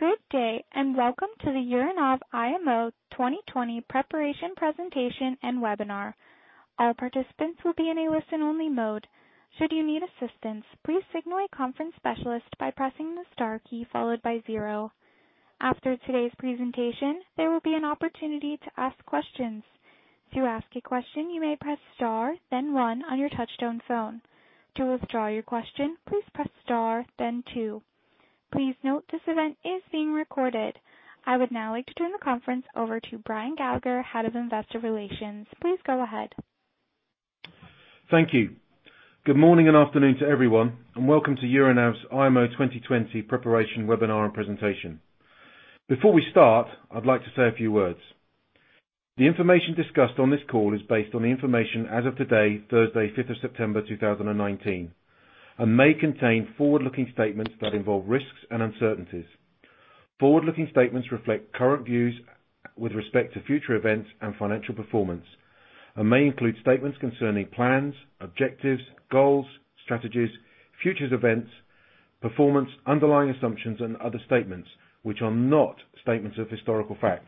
Good day, and welcome to the Euronav IMO 2020 Preparation Presentation and Webinar. All participants will be in a listen-only mode. Should you need assistance, please signal a conference specialist by pressing the star key followed by zero. After today's presentation, there will be an opportunity to ask questions. To ask a question, you may press star, then one on your touch-tone phone. To withdraw your question, please press star, then two. Please note this event is being recorded. I would now like to turn the conference over to Brian Gallagher, Head of Investor Relations. Please go ahead. Thank you. Good morning and afternoon to everyone, and welcome to Euronav's IMO 2020 Preparation Webinar and Presentation. Before we start, I'd like to say a few words. The information discussed on this call is based on the information as of today, Thursday, 5th of September, 2019, and may contain forward-looking statements that involve risks and uncertainties. Forward-looking statements reflect current views with respect to future events and financial performance, and may include statements concerning plans, objectives, goals, strategies, futures events, performance, underlying assumptions, and other statements which are not statements of historical fact.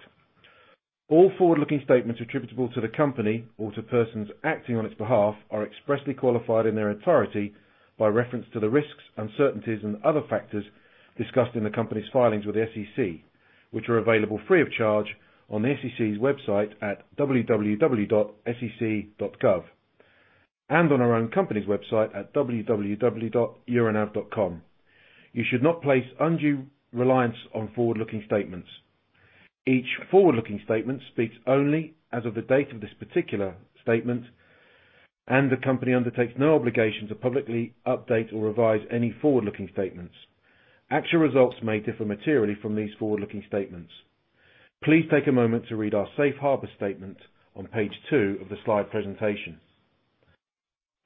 All forward-looking statements attributable to the company or to persons acting on its behalf are expressly qualified in their entirety by reference to the risks, uncertainties, and other factors discussed in the company's filings with the SEC, which are available free of charge on the SEC's website at www.sec.gov and on our own company's website at www.euronav.com. You should not place undue reliance on forward-looking statements. Each forward-looking statement speaks only as of the date of this particular statement, and the company undertakes no obligation to publicly update or revise any forward-looking statements. Actual results may differ materially from these forward-looking statements. Please take a moment to read our Safe Harbor Statement on page two of the slide presentation.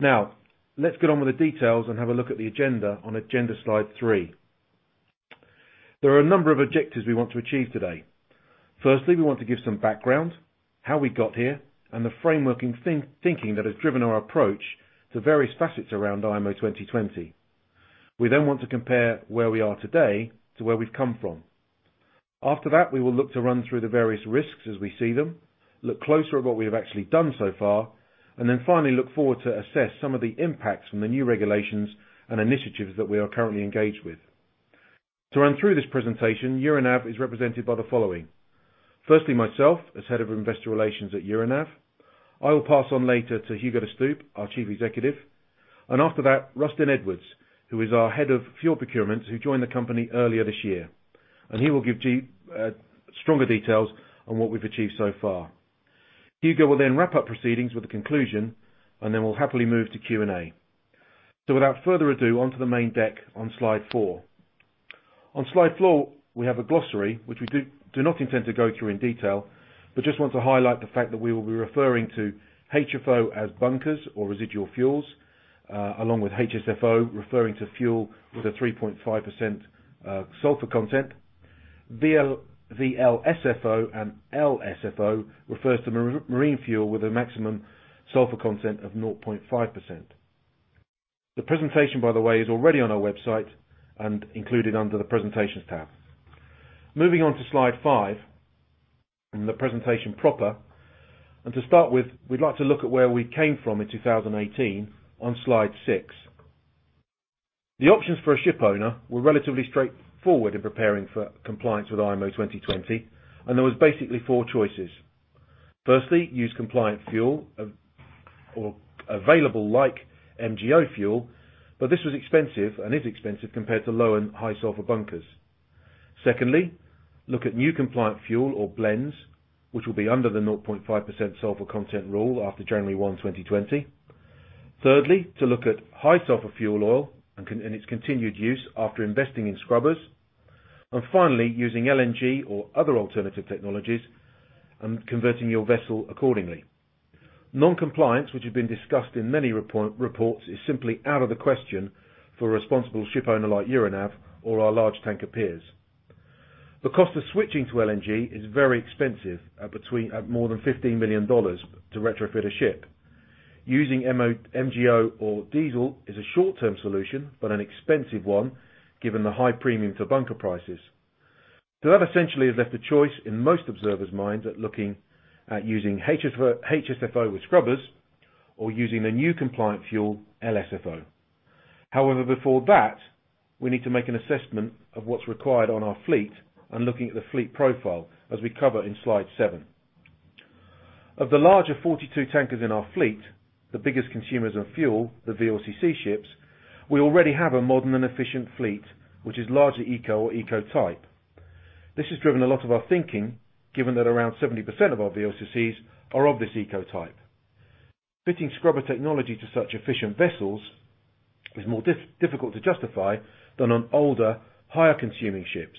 Now, let's get on with the details and have a look at the agenda on agenda slide three. There are a number of objectives we want to achieve today. Firstly, we want to give some background, how we got here, and the framework and thinking that has driven our approach to various facets around IMO 2020. We then want to compare where we are today to where we've come from. After that, we will look to run through the various risks as we see them, look closer at what we have actually done so far, and then finally look forward to assess some of the impacts from the new regulations and initiatives that we are currently engaged with. To run through this presentation, Euronav is represented by the following. Firstly, myself as Head of Investor Relations at Euronav. I will pass on later to Hugo De Stoop, our Chief Executive, and after that, Rustin Edwards, who is our Head of Fuel Procurement, who joined the company earlier this year, and he will give stronger details on what we've achieved so far. Hugo will then wrap up proceedings with a conclusion, and then we'll happily move to Q&A. So without further ado, onto the main deck on slide four. On slide four, we have a glossary which we do not intend to go through in detail, but just want to highlight the fact that we will be referring to HFO as bunkers or residual fuels, along with HSFO referring to fuel with a 3.5% sulfur content. VLSFO and LSFO refers to marine fuel with a maximum sulfur content of 0.5%. The presentation, by the way, is already on our website and included under the Presentations tab. Moving on to slide 5 in the presentation proper, and to start with, we'd like to look at where we came from in 2018 on slide 6. The options for a ship owner were relatively straightforward in preparing for compliance with IMO 2020, and there were basically 4 choices. Firstly, use compliant fuel or available like MGO fuel, but this was expensive and is expensive compared to low and high sulfur bunkers. Secondly, look at new compliant fuel or blends, which will be under the 0.5% sulfur content rule after January 1, 2020. Thirdly, to look at high sulfur fuel oil and its continued use after investing in scrubbers. And finally, using LNG or other alternative technologies and converting your vessel accordingly. Non-compliance, which has been discussed in many reports, is simply out of the question for a responsible ship owner like Euronav or our large tanker peers. The cost of switching to LNG is very expensive, at more than $15 million to retrofit a ship. Using MGO or diesel is a short-term solution, but an expensive one given the high premium to bunker prices. So that essentially has left a choice in most observers' minds at looking at using HSFO with scrubbers or using the new compliant fuel LSFO. However, before that, we need to make an assessment of what's required on our fleet and looking at the fleet profile as we cover in slide seven. Of the larger 42 tankers in our fleet, the biggest consumers of fuel, the VLCC ships, we already have a modern and efficient fleet which is largely eco or eco-type. This has driven a lot of our thinking, given that around 70% of our VLCCs are of this eco-type. Fitting scrubber technology to such efficient vessels is more difficult to justify than on older, higher-consuming ships.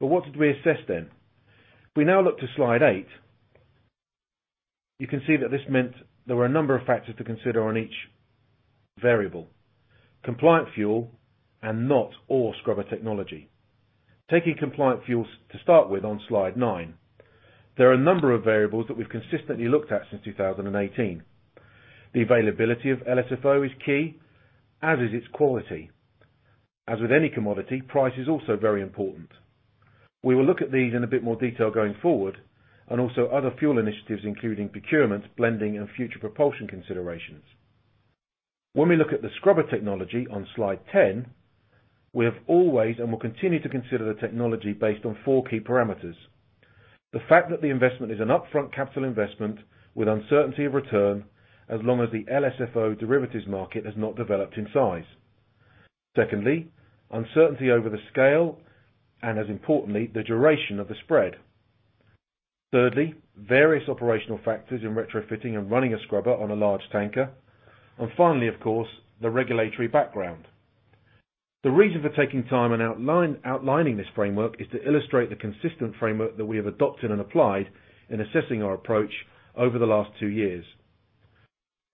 But what did we assess then? We now look to slide 8. You can see that this meant there were a number of factors to consider on each variable: compliant fuel and not all scrubber technology. Taking compliant fuel to start with on slide 9, there are a number of variables that we've consistently looked at since 2018. The availability of LSFO is key, as is its quality. As with any commodity, price is also very important. We will look at these in a bit more detail going forward, and also other fuel initiatives including procurement, blending, and future propulsion considerations. When we look at the scrubber technology on slide 10, we have always and will continue to consider the technology based on 4 key parameters: the fact that the investment is an upfront capital investment with uncertainty of return as long as the LSFO derivatives market has not developed in size; secondly, uncertainty over the scale and, as importantly, the duration of the spread; thirdly, various operational factors in retrofitting and running a scrubber on a large tanker; and finally, of course, the regulatory background. The reason for taking time and outlining this framework is to illustrate the consistent framework that we have adopted and applied in assessing our approach over the last 2 years.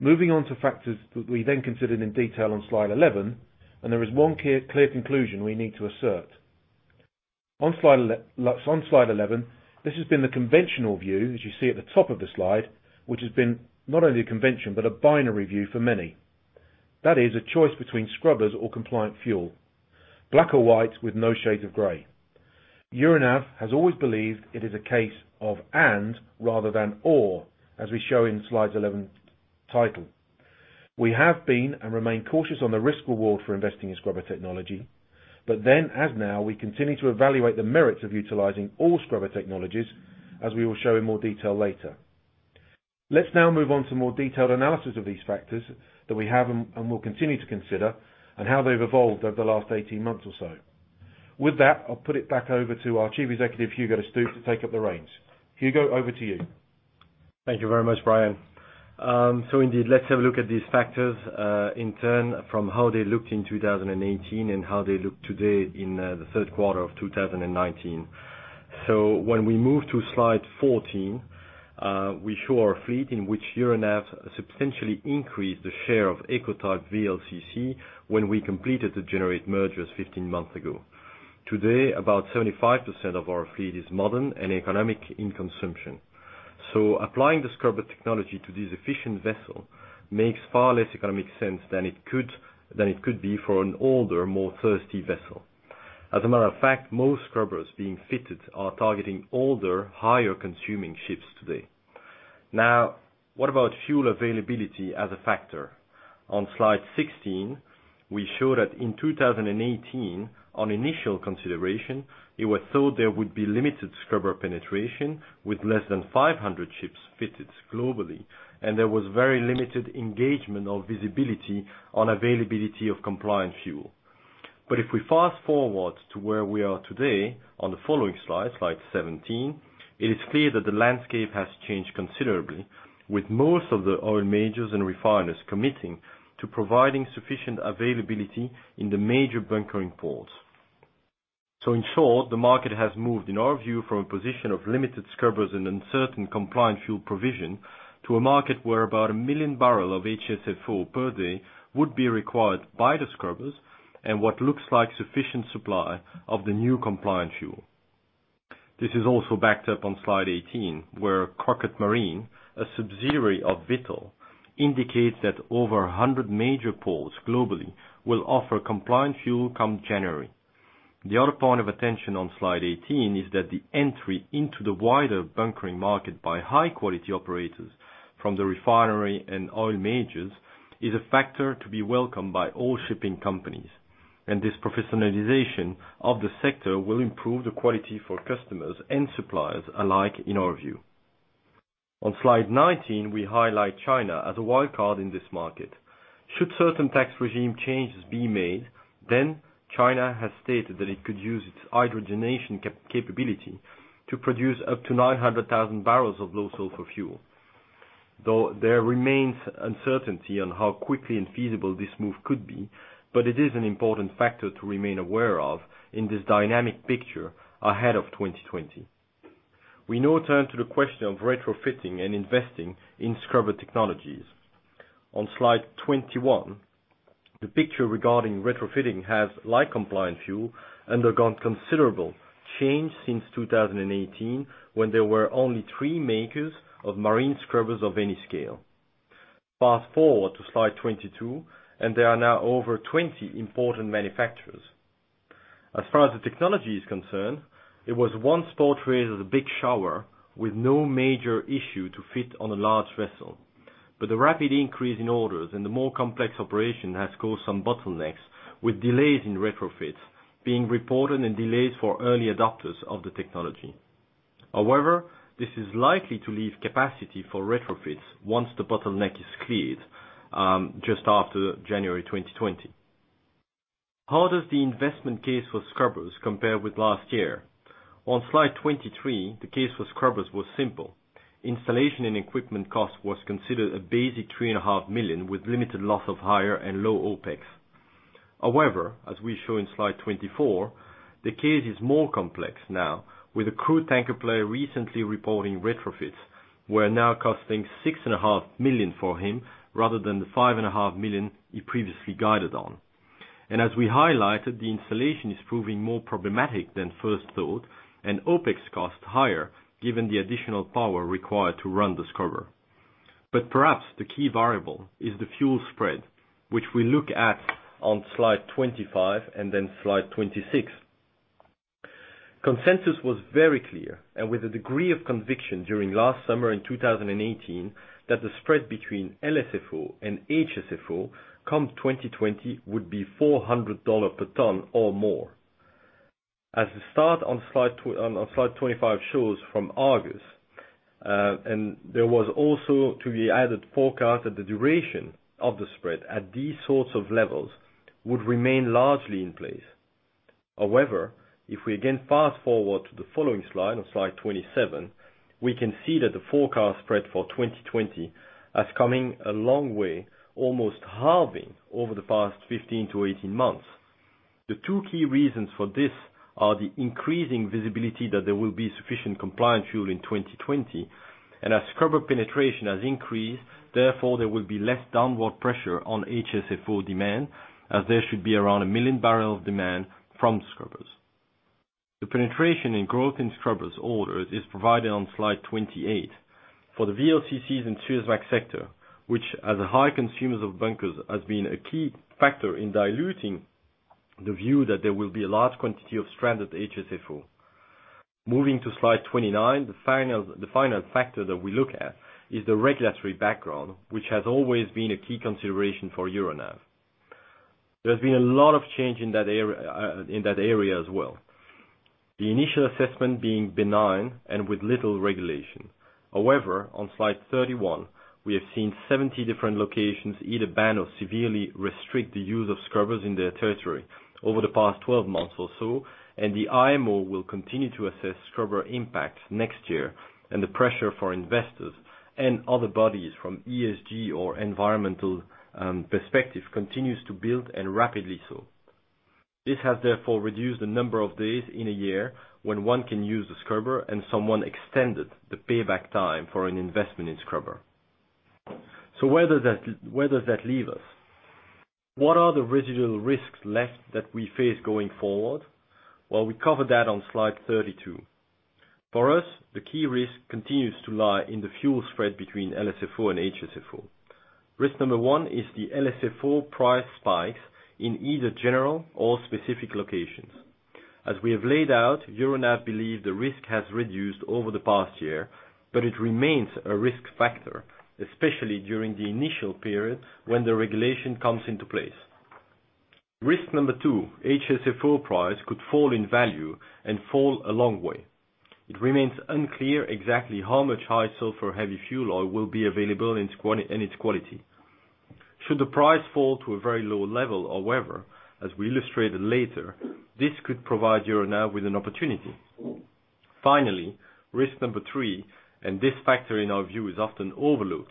Moving on to factors that we then considered in detail on slide 11, and there is one clear conclusion we need to assert. On slide 11, this has been the conventional view, as you see at the top of the slide, which has been not only a convention but a binary view for many. That is, a choice between scrubbers or compliant fuel. Black or white with no shades of gray. Euronav has always believed it is a case of and rather than or, as we show in slide 11's title. We have been and remain cautious on the risk-reward for investing in scrubber technology, but then as now, we continue to evaluate the merits of utilizing all scrubber technologies, as we will show in more detail later. Let's now move on to more detailed analysis of these factors that we have and will continue to consider, and how they've evolved over the last 18 months or so. With that, I'll put it back over to our Chief Executive, Hugo De Stoop, to take up the reins. Hugo, over to you. Thank you very much, Brian. So indeed, let's have a look at these factors in turn from how they looked in 2018 and how they look today in the third quarter of 2019. So when we move to slide fourteen, we show our fleet in which Euronav substantially increased the share of eco-type VLCC when we completed the Gener8 mergers 15 months ago. Today, about 75% of our fleet is modern and economic in consumption. So applying the scrubber technology to this efficient vessel makes far less economic sense than it could be for an older, more thirsty vessel. As a matter of fact, most scrubbers being fitted are targeting older, higher-consuming ships today. Now, what about fuel availability as a factor? On slide sixteen, we show that in 2018, on initial consideration, it was thought there would be limited scrubber penetration with less than 500 ships fitted globally, and there was very limited engagement or visibility on availability of compliant fuel. But if we fast forward to where we are today on the following slide, slide 17, it is clear that the landscape has changed considerably, with most of the oil majors and refiners committing to providing sufficient availability in the major bunkering ports. So in short, the market has moved, in our view, from a position of limited scrubbers and uncertain compliant fuel provision to a market where about 1 million barrels of HSFO per day would be required by the scrubbers and what looks like sufficient supply of the new compliant fuel. This is also backed up on slide eighteen, where Cockett Marine, a subsidiary of Vitol, indicates that over 100 major ports globally will offer compliant fuel come January. The other point of attention on slide 18 is that the entry into the wider bunkering market by high-quality operators from the refinery and oil majors is a factor to be welcomed by all shipping companies, and this professionalization of the sector will improve the quality for customers and suppliers alike, in our view. On slide nineteen, we highlight China as a wildcard in this market. Should certain tax regime changes be made, then China has stated that it could use its hydrogenation capability to produce up to 900,000 barrels of low sulfur fuel, though there remains uncertainty on how quickly and feasible this move could be, but it is an important factor to remain aware of in this dynamic picture ahead of 2020. We now turn to the question of retrofitting and investing in scrubber technologies. On slide twenty-one, the picture regarding retrofitting has, like compliant fuel, undergone considerable change since 2018 when there were only 3 majors of marine scrubbers of any scale. Fast forward to slide twenty-two, and there are now over 20 important manufacturers. As far as the technology is concerned, it was once portrayed as a big shower with no major issue to fit on a large vessel, but the rapid increase in orders and the more complex operation has caused some bottlenecks, with delays in retrofits being reported and delays for early adopters of the technology. However, this is likely to leave capacity for retrofits once the bottleneck is cleared just after January 2020. How does the investment case for scrubbers compare with last year? On slide twenty-three, the case for scrubbers was simple. Installation and equipment cost was considered a basic $3.5 million with limited loss of higher and low OpEx. However, as we show in slide 24, the case is more complex now, with a crude tanker player recently reporting retrofits were now costing $6.5 million for him rather than the $5.5 million he previously guided on. As we highlighted, the installation is proving more problematic than first thought, and OpEx cost higher given the additional power required to run the scrubber. Perhaps the key variable is the fuel spread, which we look at on slide twenty five and then slide twenty six. Consensus was very clear, and with a degree of conviction during last summer in 2018, that the spread between LSFO and HSFO come 2020 would be $400 per ton or more. As the start on slide 25 shows from Argus, and there was also to be added forecast that the duration of the spread at these sorts of levels would remain largely in place. However, if we again fast forward to the following slide, on slide 27, we can see that the forecast spread for 2020 has come a long way, almost halving over the past 15-18 months. The two key reasons for this are the increasing visibility that there will be sufficient compliant fuel in 2020, and as scrubber penetration has increased, therefore there will be less downward pressure on HSFO demand, as there should be around 1 million barrels of demand from scrubbers. The penetration and growth in scrubbers orders is provided on slide 28. For the VLCCs and Suezmax sector, which as a high consumer of bunkers has been a key factor in diluting the view that there will be a large quantity of stranded HSFO. Moving to slide 29, the final factor that we look at is the regulatory background, which has always been a key consideration for Euronav. There has been a lot of change in that area as well. The initial assessment being benign and with little regulation. However, on slide 31, we have seen 70 different locations either ban or severely restrict the use of scrubbers in their territory over the past 12 months or so, and the IMO will continue to assess scrubber impacts next year, and the pressure for investors and other bodies from ESG or environmental perspective continues to build and rapidly so. This has therefore reduced the number of days in a year when one can use the scrubber, and someone extended the payback time for an investment in scrubber. So where does that leave us? What are the residual risks left that we face going forward? Well, we covered that on slide thirty-two. For us, the key risk continues to lie in the fuel spread between LSFO and HSFO. Risk number one is the LSFO price spikes in either general or specific locations. As we have laid out, Euronav believes the risk has reduced over the past year, but it remains a risk factor, especially during the initial period when the regulation comes into place. Risk number two, HSFO price could fall in value and fall a long way. It remains unclear exactly how much high sulfur heavy fuel oil will be available in its quality. Should the price fall to a very low level, however, as we illustrated later, this could provide Euronav with an opportunity. Finally, risk number three, and this factor in our view is often overlooked,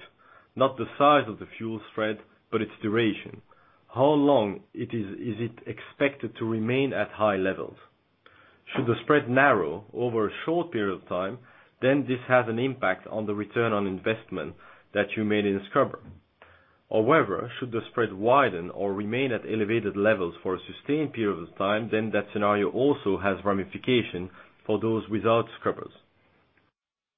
not the size of the fuel spread, but its duration. How long is it expected to remain at high levels? Should the spread narrow over a short period of time, then this has an impact on the return on investment that you made in scrubber. However, should the spread widen or remain at elevated levels for a sustained period of time, then that scenario also has ramifications for those without scrubbers.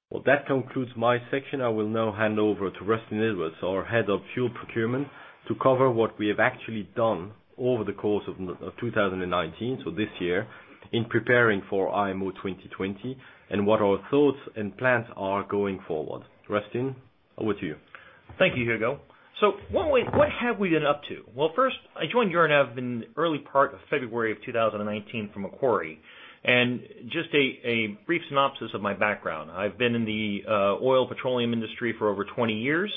Well, that concludes my section. I will now hand over to Rustin Edwards, our head of fuel procurement, to cover what we have actually done over the course of 2019, so this year, in preparing for IMO 2020 and what our thoughts and plans are going forward. Rustin, over to you. Thank you, Hugo. So what have we been up to? Well, first, I joined Euronav in the early part of February of 2019 from Macquarie, and just a brief synopsis of my background. I've been in the oil petroleum industry for over 20 years.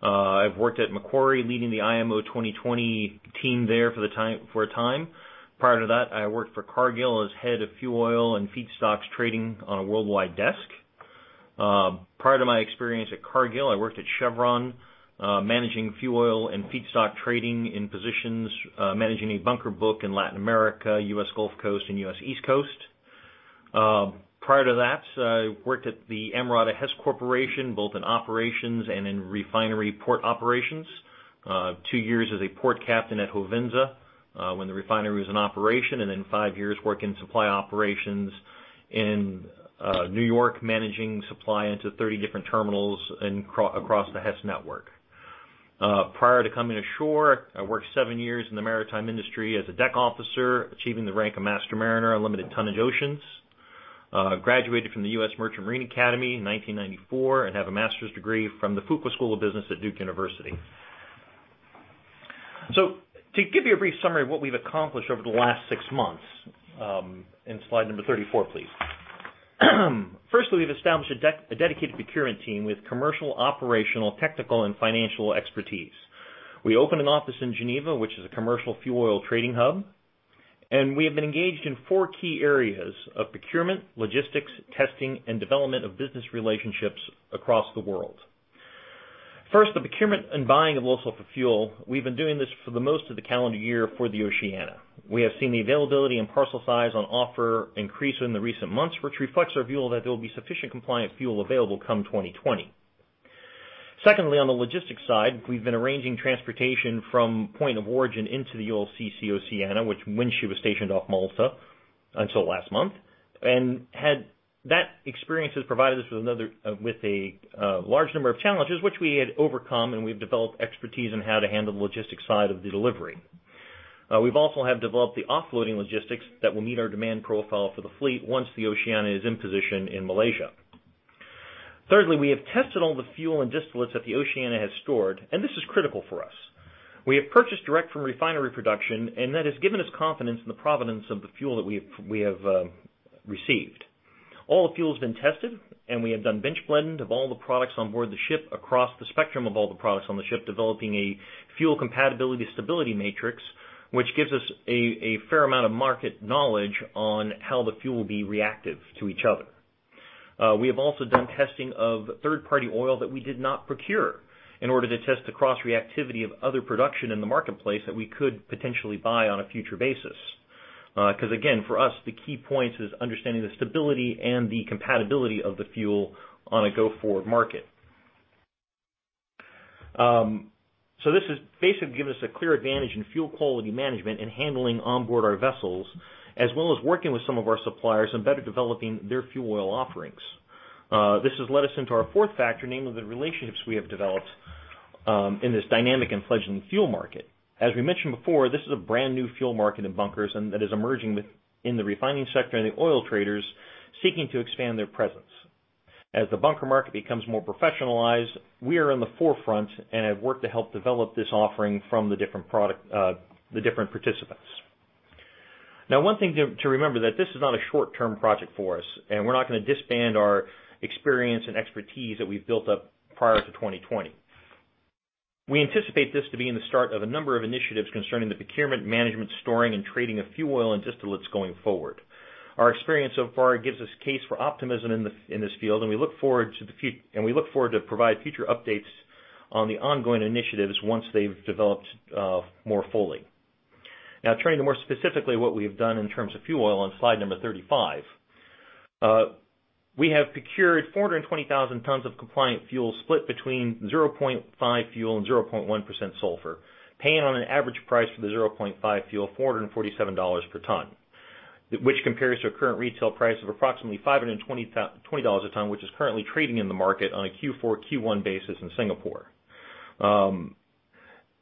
I've worked at Macquarie leading the IMO 2020 team there for a time. Prior to that, I worked for Cargill as head of fuel oil and feedstocks trading on a worldwide desk. Prior to my experience at Cargill, I worked at Chevron managing fuel oil and feedstock trading in positions managing a bunker book in Latin America, US Gulf Coast, and U.S. East Coast. Prior to that, I worked at the Amerada Hess Corporation, both in operations and in refinery port operations. 2 years as a port captain at HOVENSA when the refinery was in operation, and then 5 years working in supply operations in New York managing supply into 30 different terminals across the Hess network. Prior to coming ashore, I worked 7 years in the maritime industry as a deck officer achieving the rank of master mariner on limited tonnage oceans. Graduated from the US Merchant Marine Academy in 1994 and have a master's degree from the Fuqua School of Business at Duke University. So to give you a brief summary of what we've accomplished over the last 6 months, in slide number 34, please. First, we've established a dedicated procurement team with commercial, operational, technical, and financial expertise. We opened an office in Geneva, which is a commercial fuel oil trading hub, and we have been engaged in four key areas of procurement, logistics, testing, and development of business relationships across the world. First, the procurement and buying of low sulfur fuel. We've been doing this for the most of the calendar year for the Oceania. We have seen the availability and parcel size on offer increase in the recent months, which reflects our view that there will be sufficient compliant fuel available come 2020. Secondly, on the logistics side, we've been arranging transportation from point of origin into the FSO Oceania, which, when she was stationed off Malta until last month, and that experience has provided us with a large number of challenges, which we had overcome, and we've developed expertise in how to handle the logistics side of the delivery. We've also developed the offloading logistics that will meet our demand profile for the fleet once the Oceania is in position in Malaysia. Thirdly, we have tested all the fuel and distillates that the Oceania has stored, and this is critical for us. We have purchased direct from refinery production, and that has given us confidence in the provenance of the fuel that we have received. All the fuel has been tested, and we have done bench blending of all the products on board the ship across the spectrum of all the products on the ship, developing a fuel compatibility stability matrix, which gives us a fair amount of market knowledge on how the fuel will be reactive to each other. We have also done testing of third-party oil that we did not procure in order to test the cross-reactivity of other production in the marketplace that we could potentially buy on a future basis. Because again, for us, the key points is understanding the stability and the compatibility of the fuel on a go-forward market. So this has basically given us a clear advantage in fuel quality management and handling onboard our vessels, as well as working with some of our suppliers and better developing their fuel oil offerings. This has led us into our fourth factor, namely the relationships we have developed in this dynamic and fledgling fuel market. As we mentioned before, this is a brand new fuel market in bunkers and that is emerging in the refining sector and the oil traders seeking to expand their presence. As the bunker market becomes more professionalized, we are in the forefront and have worked to help develop this offering from the different participants. Now, one thing to remember is that this is not a short-term project for us, and we're not going to disband our experience and expertise that we've built up prior to 2020. We anticipate this to be in the start of a number of initiatives concerning the procurement, management, storing, and trading of fuel oil and distillates going forward. Our experience so far gives us cause for optimism in this field, and we look forward to the future, and we look forward to provide future updates on the ongoing initiatives once they've developed more fully. Now, turning to more specifically what we have done in terms of fuel oil on slide number 35, we have procured 420,000 tons of compliant fuel split between 0.5 fuel and 0.1% sulfur, paying on an average price for the 0.5 fuel of $447 per ton, which compares to a current retail price of approximately $520 a ton, which is currently trading in the market on a Q4, Q1 basis in Singapore.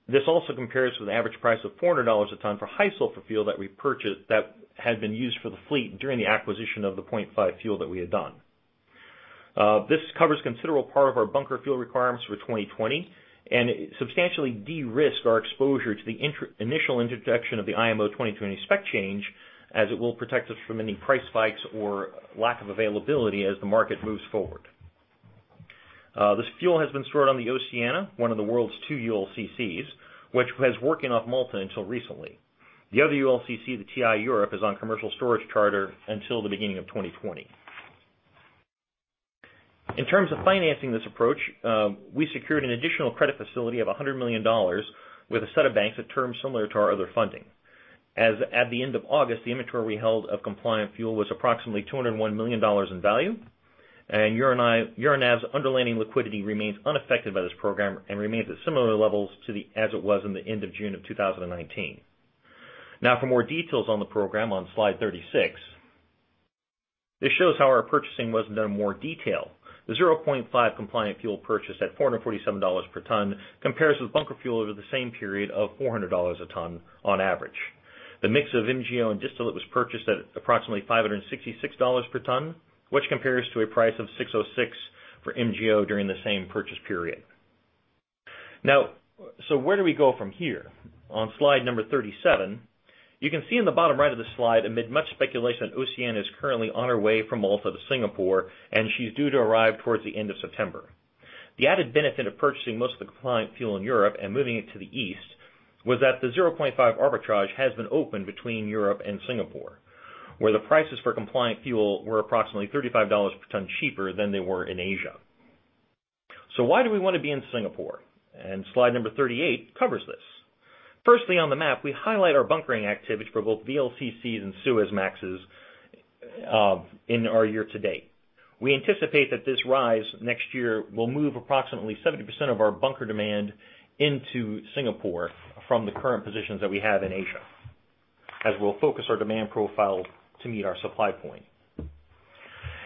This also compares with an average price of $400 a ton for high sulfur fuel that had been used for the fleet during the acquisition of the 0.5 fuel that we had done. This covers a considerable part of our bunker fuel requirements for 2020 and substantially de-risked our exposure to the initial interjection of the IMO 2020 spec change, as it will protect us from any price spikes or lack of availability as the market moves forward. This fuel has been stored on the Oceania, one of the world's two ULCCs, which has been working off Malta until recently. The other ULCC, the TI Europe, is on commercial storage charter until the beginning of 2020. In terms of financing this approach, we secured an additional credit facility of $100 million with a set of banks at terms similar to our other funding. At the end of August, the inventory we held of compliant fuel was approximately $201 million in value, and Euronav's underlying liquidity remains unaffected by this program and remains at similar levels to as it was in the end of June of 2019. Now, for more details on the program on slide 36, this shows how our purchasing was done in more detail. The 0.5 compliant fuel purchased at $447 per ton compares with bunker fuel over the same period of $400 a ton on average. The mix of MGO and distillate was purchased at approximately $566 per ton, which compares to a price of $606 for MGO during the same purchase period. Now, so where do we go from here? On slide 37, you can see in the bottom right of the slide, amid much speculation, Oceania is currently on her way from Malta to Singapore, and she's due to arrive towards the end of September. The added benefit of purchasing most of the compliant fuel in Europe and moving it to the east was that the 0.5 arbitrage has been opened between Europe and Singapore, where the prices for compliant fuel were approximately $35 per ton cheaper than they were in Asia. So why do we want to be in Singapore? Slide number 38 covers this. Firstly, on the map, we highlight our bunkering activity for both VLCCs and Suezmax in our year to date. We anticipate that this rise next year will move approximately 70% of our bunker demand into Singapore from the current positions that we have in Asia, as we'll focus our demand profile to meet our supply point.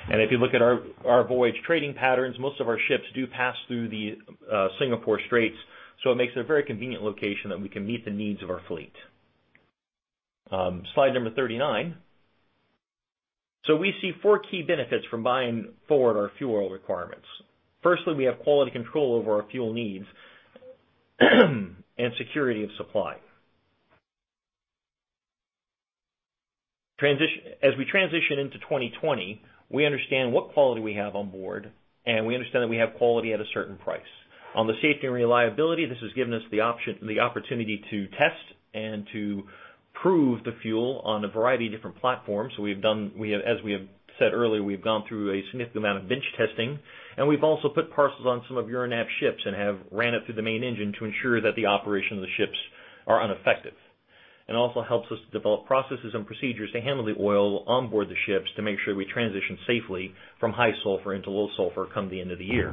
If you look at our voyage trading patterns, most of our ships do pass through the Singapore Straits, so it makes it a very convenient location that we can meet the needs of our fleet. Slide number 39. We see four key benefits from buying forward our fuel oil requirements. Firstly, we have quality control over our fuel needs and security of supply. As we transition into 2020, we understand what quality we have on board, and we understand that we have quality at a certain price. On the safety and reliability, this has given us the opportunity to test and to prove the fuel on a variety of different platforms. So we have done, as we have said earlier, we've gone through a significant amount of bench testing, and we've also put parcels on some of Euronav's ships and have ran it through the main engine to ensure that the operation of the ships are unaffected. And it also helps us to develop processes and procedures to handle the oil onboard the ships to make sure we transition safely from high sulfur into low sulfur come the end of the year.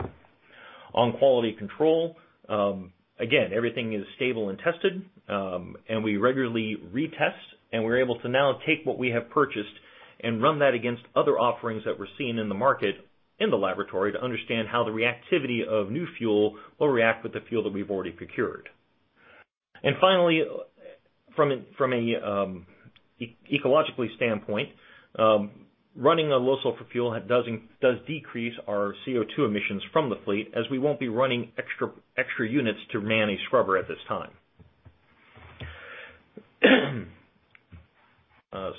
On quality control, again, everything is stable and tested, and we regularly retest, and we're able to now take what we have purchased and run that against other offerings that we're seeing in the market in the laboratory to understand how the reactivity of new fuel will react with the fuel that we've already procured. And finally, from an ecological standpoint, running a low sulfur fuel does decrease our CO2 emissions from the fleet, as we won't be running extra units to man a scrubber at this time.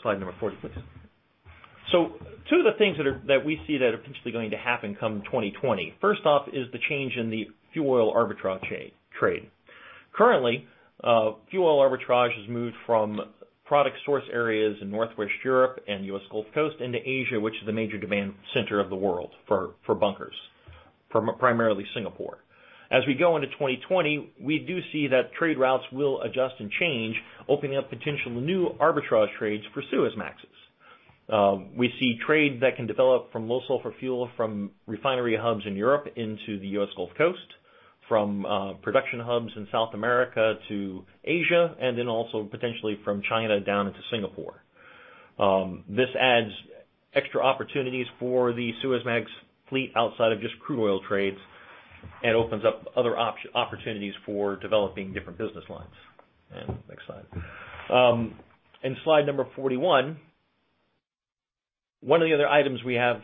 Slide number 40, please. So two of the things that we see that are potentially going to happen come 2020. First off is the change in the fuel oil arbitrage trade. Currently, fuel oil arbitrage has moved from product source areas in Northwest Europe and US Gulf Coast into Asia, which is the major demand center of the world for bunkers, primarily Singapore. As we go into 2020, we do see that trade routes will adjust and change, opening up potentially new arbitrage trades for Suezmaxes. We see trade that can develop from low sulfur fuel from refinery hubs in Europe into the US Gulf Coast, from production hubs in South America to Asia, and then also potentially from China down into Singapore. This adds extra opportunities for the Suezmax fleet outside of just crude oil trades and opens up other opportunities for developing different business lines. Next slide. In slide 41, one of the other items we have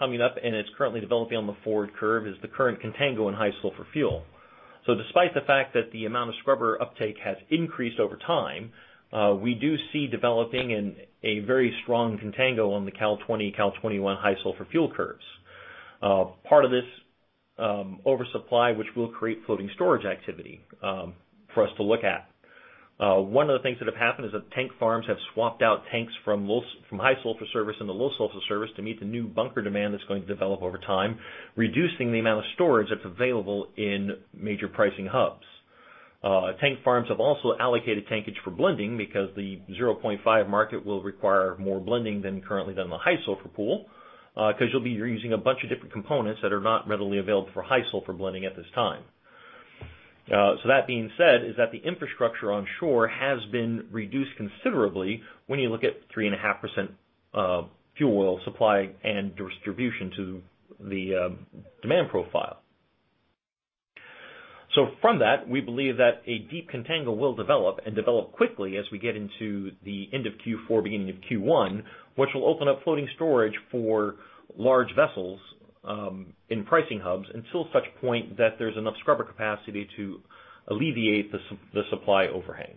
coming up and is currently developing on the forward curve is the current contango in high sulfur fuel. So despite the fact that the amount of scrubber uptake has increased over time, we do see developing a very strong contango on the Cal 2020, Cal 2021 high sulfur fuel curves. Part of this oversupply, which will create floating storage activity for us to look at. One of the things that have happened is that tank farms have swapped out tanks from high sulfur service and the low sulfur service to meet the new bunker demand that's going to develop over time, reducing the amount of storage that's available in major pricing hubs. Tank farms have also allocated tankage for blending because the 0.5 market will require more blending than currently than the high sulfur pool because you'll be using a bunch of different components that are not readily available for high sulfur blending at this time. So that being said, the infrastructure on shore has been reduced considerably when you look at 3.5% fuel oil supply and distribution to the demand profile. So from that, we believe that a deep contango will develop and develop quickly as we get into the end of Q4, beginning of Q1, which will open up floating storage for large vessels in pricing hubs until such point that there's enough scrubber capacity to alleviate the supply overhang.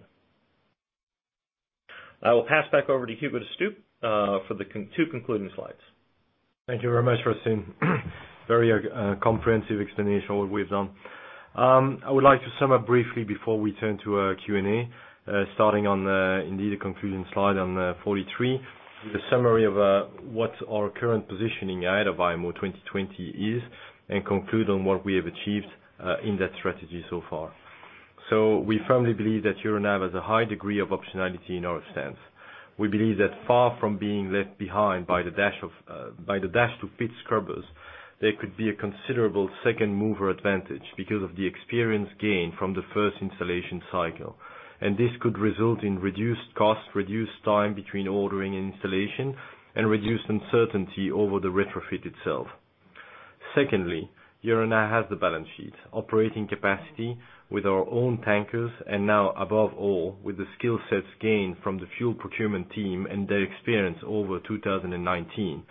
I will pass back over to Hugo De Stoop for the two concluding slides. Thank you very much for the very comprehensive explanation of what we've done. I would like to sum up briefly before we turn to Q&A, starting on indeed the concluding slide on 43, with a summary of what our current positioning ahead of IMO 2020 is and conclude on what we have achieved in that strategy so far. So we firmly believe that Euronav has a high degree of optionality in our stands. We believe that far from being left behind by the dash to fit scrubbers, there could be a considerable second mover advantage because of the experience gained from the first installation cycle. This could result in reduced cost, reduced time between ordering and installation, and reduced uncertainty over the retrofit itself. Secondly, Euronav has the balance sheet, operating capacity with our own tankers, and now above all, with the skill sets gained from the fuel procurement team and their experience over 2019,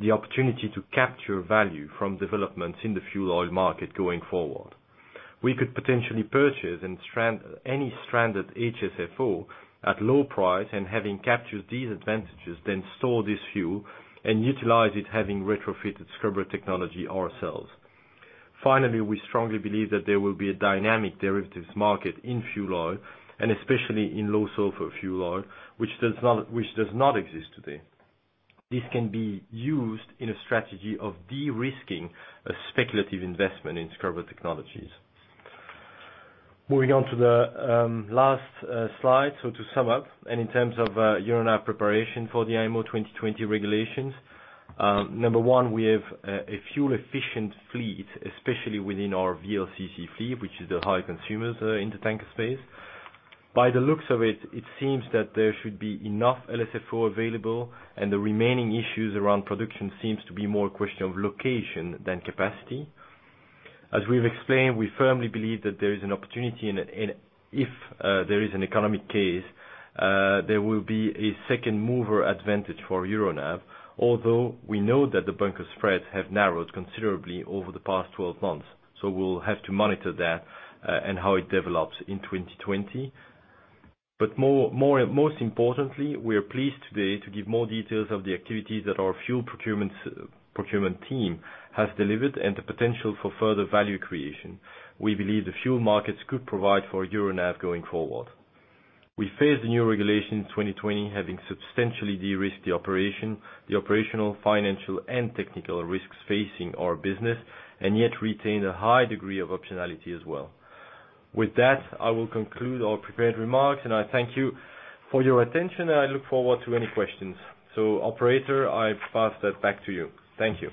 the opportunity to capture value from developments in the fuel oil market going forward. We could potentially purchase and strand any stranded HSFO at low price and having captured these advantages, then store this fuel and utilize it having retrofitted scrubber technology ourselves. Finally, we strongly believe that there will be a dynamic derivatives market in fuel oil, and especially in low sulfur fuel oil, which does not exist today. This can be used in a strategy of de-risking a speculative investment in scrubber technologies. Moving on to the last slide, so to sum up, and in terms of Euronav preparation for the IMO 2020 regulations, number one, we have a fuel-efficient fleet, especially within our VLCC fleet, which is the high consumers in the tanker space. By the looks of it, it seems that there should be enough LSFO available, and the remaining issues around production seem to be more a question of location than capacity. As we've explained, we firmly believe that there is an opportunity, and if there is an economic case, there will be a second mover advantage for Euronav, although we know that the bunker spreads have narrowed considerably over the past 12 months. So we'll have to monitor that and how it develops in 2020. But most importantly, we are pleased today to give more details of the activities that our fuel procurement team has delivered and the potential for further value creation. We believe the fuel markets could provide for Euronav going forward. We face the new regulations in 2020, having substantially de-risked the operational, financial, and technical risks facing our business, and yet retained a high degree of optionality as well. With that, I will conclude our prepared remarks, and I thank you for your attention, and I look forward to any questions. So operator, I pass that back to you. Thank you.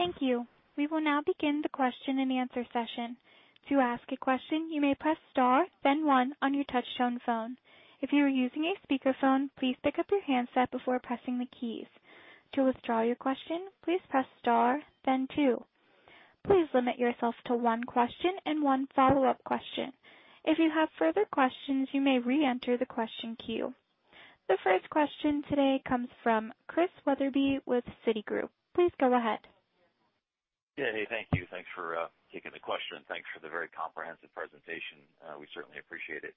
Thank you. We will now begin the question and answer session. To ask a question, you may press star, then one on your touch-tone phone. If you are using a speakerphone, please pick up your handset before pressing the keys. To withdraw your question, please press star, then two. Please limit yourself to one question and one follow-up question. If you have further questions, you may re-enter the question queue. The first question today comes from Chris Wetherbee with Citigroup. Please go ahead. Yeah, thank you. Thanks for taking the question. Thanks for the very comprehensive presentation. We certainly appreciate it.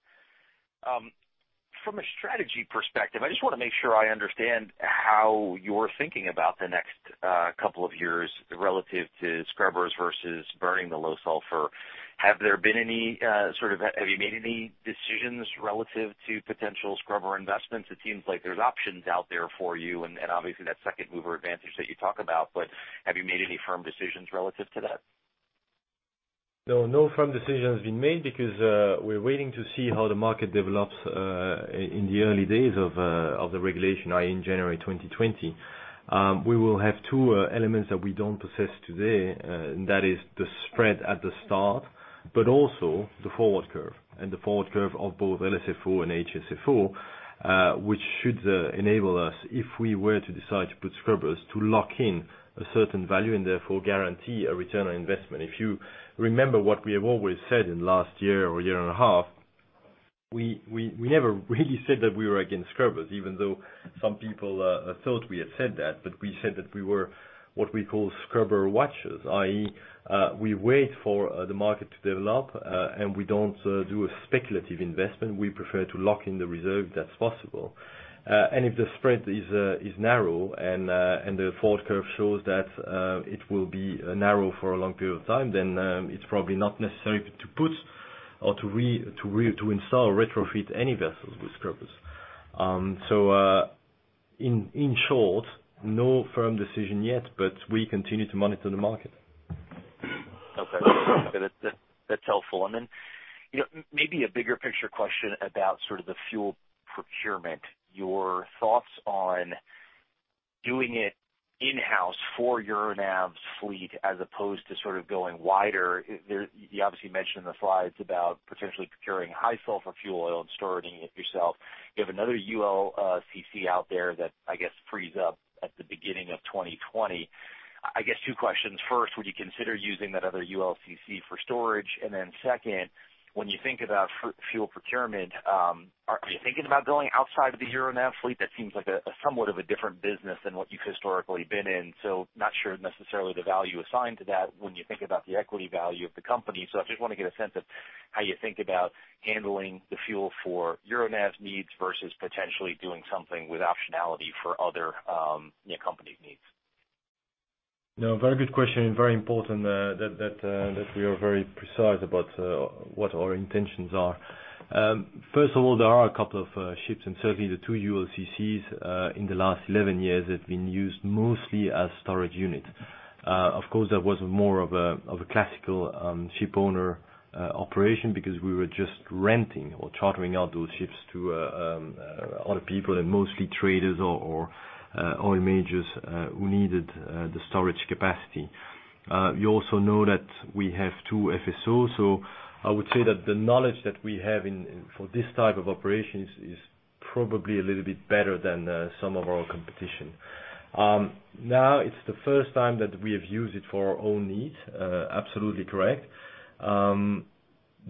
From a strategy perspective, I just want to make sure I understand how you're thinking about the next couple of years relative to scrubbers versus burning the low sulfur. Have there been any, have you made any decisions relative to potential scrubber investments? It seems like there's options out there for you and obviously that second mover advantage that you talk about, but have you made any firm decisions relative to that? No, no firm decision has been made because we're waiting to see how the market develops in the early days of the regulation, i.e., in January 2020. We will have two elements that we don't possess today, and that is the spread at the start, but also the forward curve and the forward curve of both LSFO and HSFO, which should enable us, if we were to decide to put scrubbers, to lock in a certain value and therefore guarantee a return on investment. If you remember what we have always said in the last year or year and a half, we never really said that we were against scrubbers, even though some people thought we had said that, but we said that we were what we call scrubber watchers, i.e., we wait for the market to develop and we don't do a speculative investment. We prefer to lock in the reserve if that's possible. And if the spread is narrow and the forward curve shows that it will be narrow for a long period of time, then it's probably not necessary to put or to install retrofit any vessels with scrubbers. So in short, no firm decision yet, but we continue to monitor the market. Okay. That's helpful. And then maybe a bigger picture question about sort of the fuel procurement. Your thoughts on doing it in-house for Euronav's fleet as opposed to sort of going wider? You obviously mentioned in the slides about potentially procuring high-sulfur fuel oil and storing it yourself. You have another ULCC out there that I guess frees up at the beginning of 2020. I guess two questions. First, would you consider using that other ULCC for storage? And then second, when you think about fuel procurement, are you thinking about going outside of the Euronav fleet? That seems like somewhat of a different business than what you've historically been in. So not sure necessarily the value assigned to that when you think about the equity value of the company. So I just want to get a sense of how you think about handling the fuel for Euronav's needs versus potentially doing something with optionality for other company needs. No, very good question and very important that we are very precise about what our intentions are. First of all, there are a couple of ships and certainly the two ULCCs in the last 11 years have been used mostly as storage units. Of course, that was more of a classical ship owner operation because we were just renting or chartering out those ships to other people and mostly traders or oil majors who needed the storage capacity. You also know that we have two FSOs, so I would say that the knowledge that we have for this type of operation is probably a little bit better than some of our competition. Now, it's the first time that we have used it for our own needs. Absolutely correct.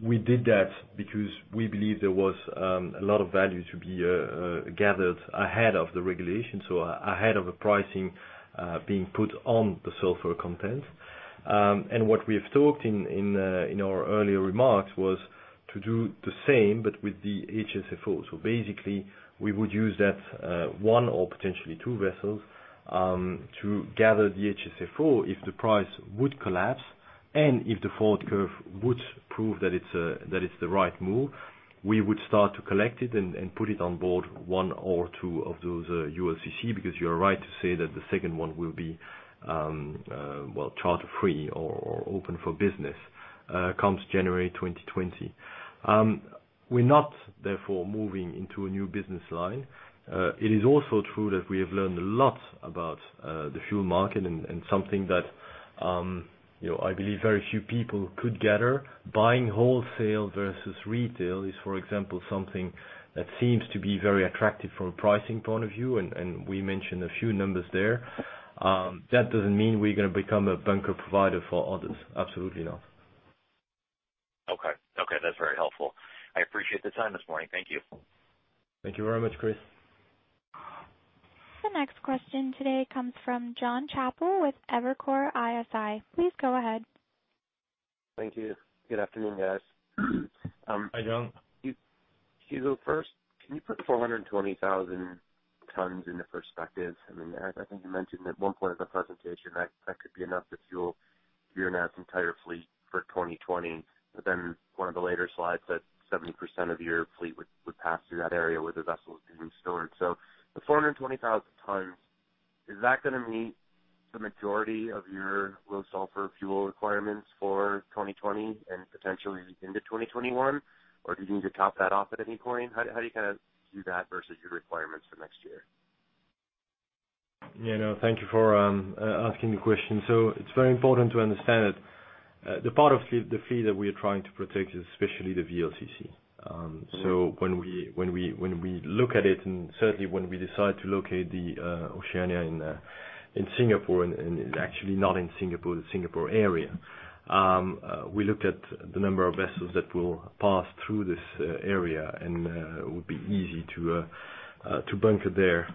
We did that because we believe there was a lot of value to be gathered ahead of the regulation, so ahead of the pricing being put on the sulfur content. And what we have talked in our earlier remarks was to do the same but with the HSFO. So basically, we would use that one or potentially two vessels to gather the HSFO if the price would collapse and if the forward curve would prove that it's the right move. We would start to collect it and put it on board one or two of those ULCC because you're right to say that the second one will be charter-free or open for business comes January 2020. We're not therefore moving into a new business line. It is also true that we have learned a lot about the fuel market and something that I believe very few people could gather. Buying wholesale versus retail is, for example, something that seems to be very attractive from a pricing point of view, and we mentioned a few numbers there. That doesn't mean we're going to become a bunker provider for others. Absolutely not. Okay. Okay. That's very helpful. I appreciate the time this morning. Thank you. Thank you very much, Chris. The next question today comes from Jon Chappell with Evercore ISI. Please go ahead. Thank you. Good afternoon, guys. Hi, Jon. Can you put the 420,000 tons into perspective? I mean, I think you mentioned at one point of the presentation that that could be enough to fuel Euronav's entire fleet for 2020, but then one of the later slides said 70% of your fleet would pass through that area where the vessels would be stored. So the 420,000 tons, is that going to meet the majority of your low sulfur fuel requirements for 2020 and potentially into 2021, or do you need to top that off at any point? How do you kind of view that versus your requirements for next year? Yeah, no, thank you for asking the question. So it's very important to understand that the part of the fleet that we are trying to protect is especially the VLCC. So when we look at it, and certainly when we decide to locate the Oceania in Singapore, and it's actually not in Singapore, the Singapore area, we look at the number of vessels that will pass through this area and would be easy to bunker there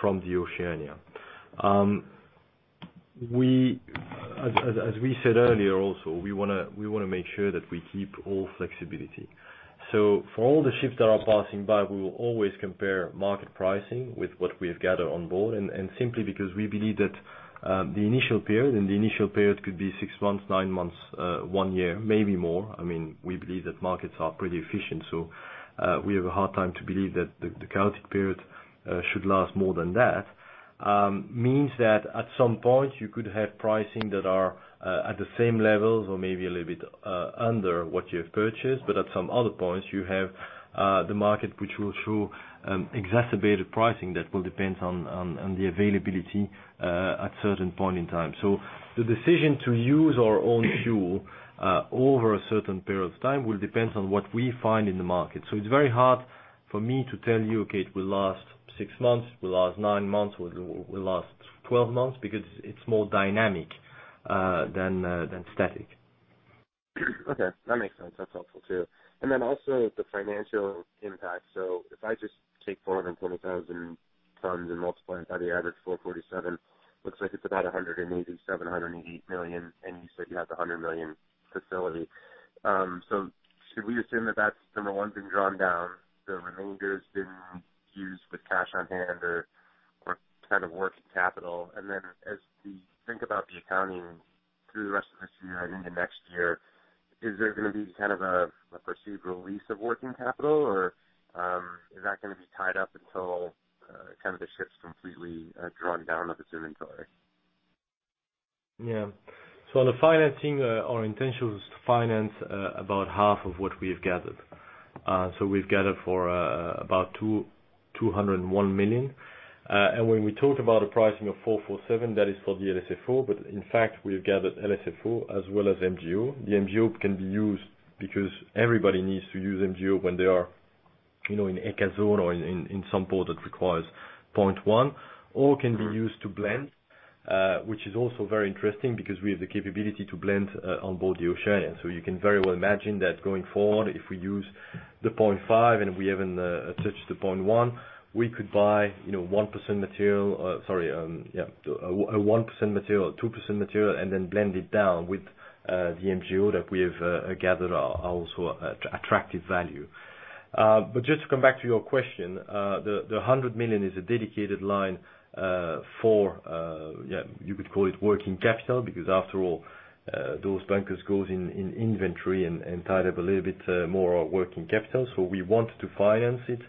from the Oceania. As we said earlier also, we want to make sure that we keep all flexibility. So for all the ships that are passing by, we will always compare market pricing with what we have gathered on board, and simply because we believe that the initial period, and the initial period could be six months, nine months, one year, maybe more. I mean, we believe that markets are pretty efficient, so we have a hard time to believe that the chaotic period should last more than that. Means that at some point, you could have pricing that are at the same levels or maybe a little bit under what you have purchased, but at some other points, you have the market which will show exacerbated pricing that will depend on the availability at a certain point in time. So the decision to use our own fuel over a certain period of time will depend on what we find in the market. So it's very hard for me to tell you, okay, it will last 6 months, it will last 9 months, or it will last 12 months because it's more dynamic than static. Okay. That makes sense. That's helpful too. And then also the financial impact. So if I just take 420,000 tons and multiply it by the average 447, looks like it's about $187-$188 million, and you said you have the $100 million facility. So should we assume that that's the one being drawn down, the remainder is being used with cash on hand or kind of working capital? And then as we think about the accounting through the rest of this year and into next year, is there going to be kind of a perceived release of working capital, or is that going to be tied up until kind of the ship's completely drawn down of its inventory? Yeah. So on the financing, our intention is to finance about half of what we have gathered. So we've gathered for about $201 million. And when we talk about the pricing of $447, that is for the LSFO, but in fact, we have gathered LSFO as well as MGO. The MGO can be used because everybody needs to use MGO when they are in ECA zone or in some port that requires 0.1%, or can be used to blend, which is also very interesting because we have the capability to blend on board the Oceania. So you can very well imagine that going forward, if we use the 0.5% and we haven't touched the 0.1%, we could buy 1% material, sorry, yeah, 1% material, 2% material, and then blend it down with the MGO that we have gathered also attractive value. But just to come back to your question, the $100 million is a dedicated line for, yeah, you could call it working capital because after all, those bunkers go in inventory and tied up a little bit more working capital. We want to finance it.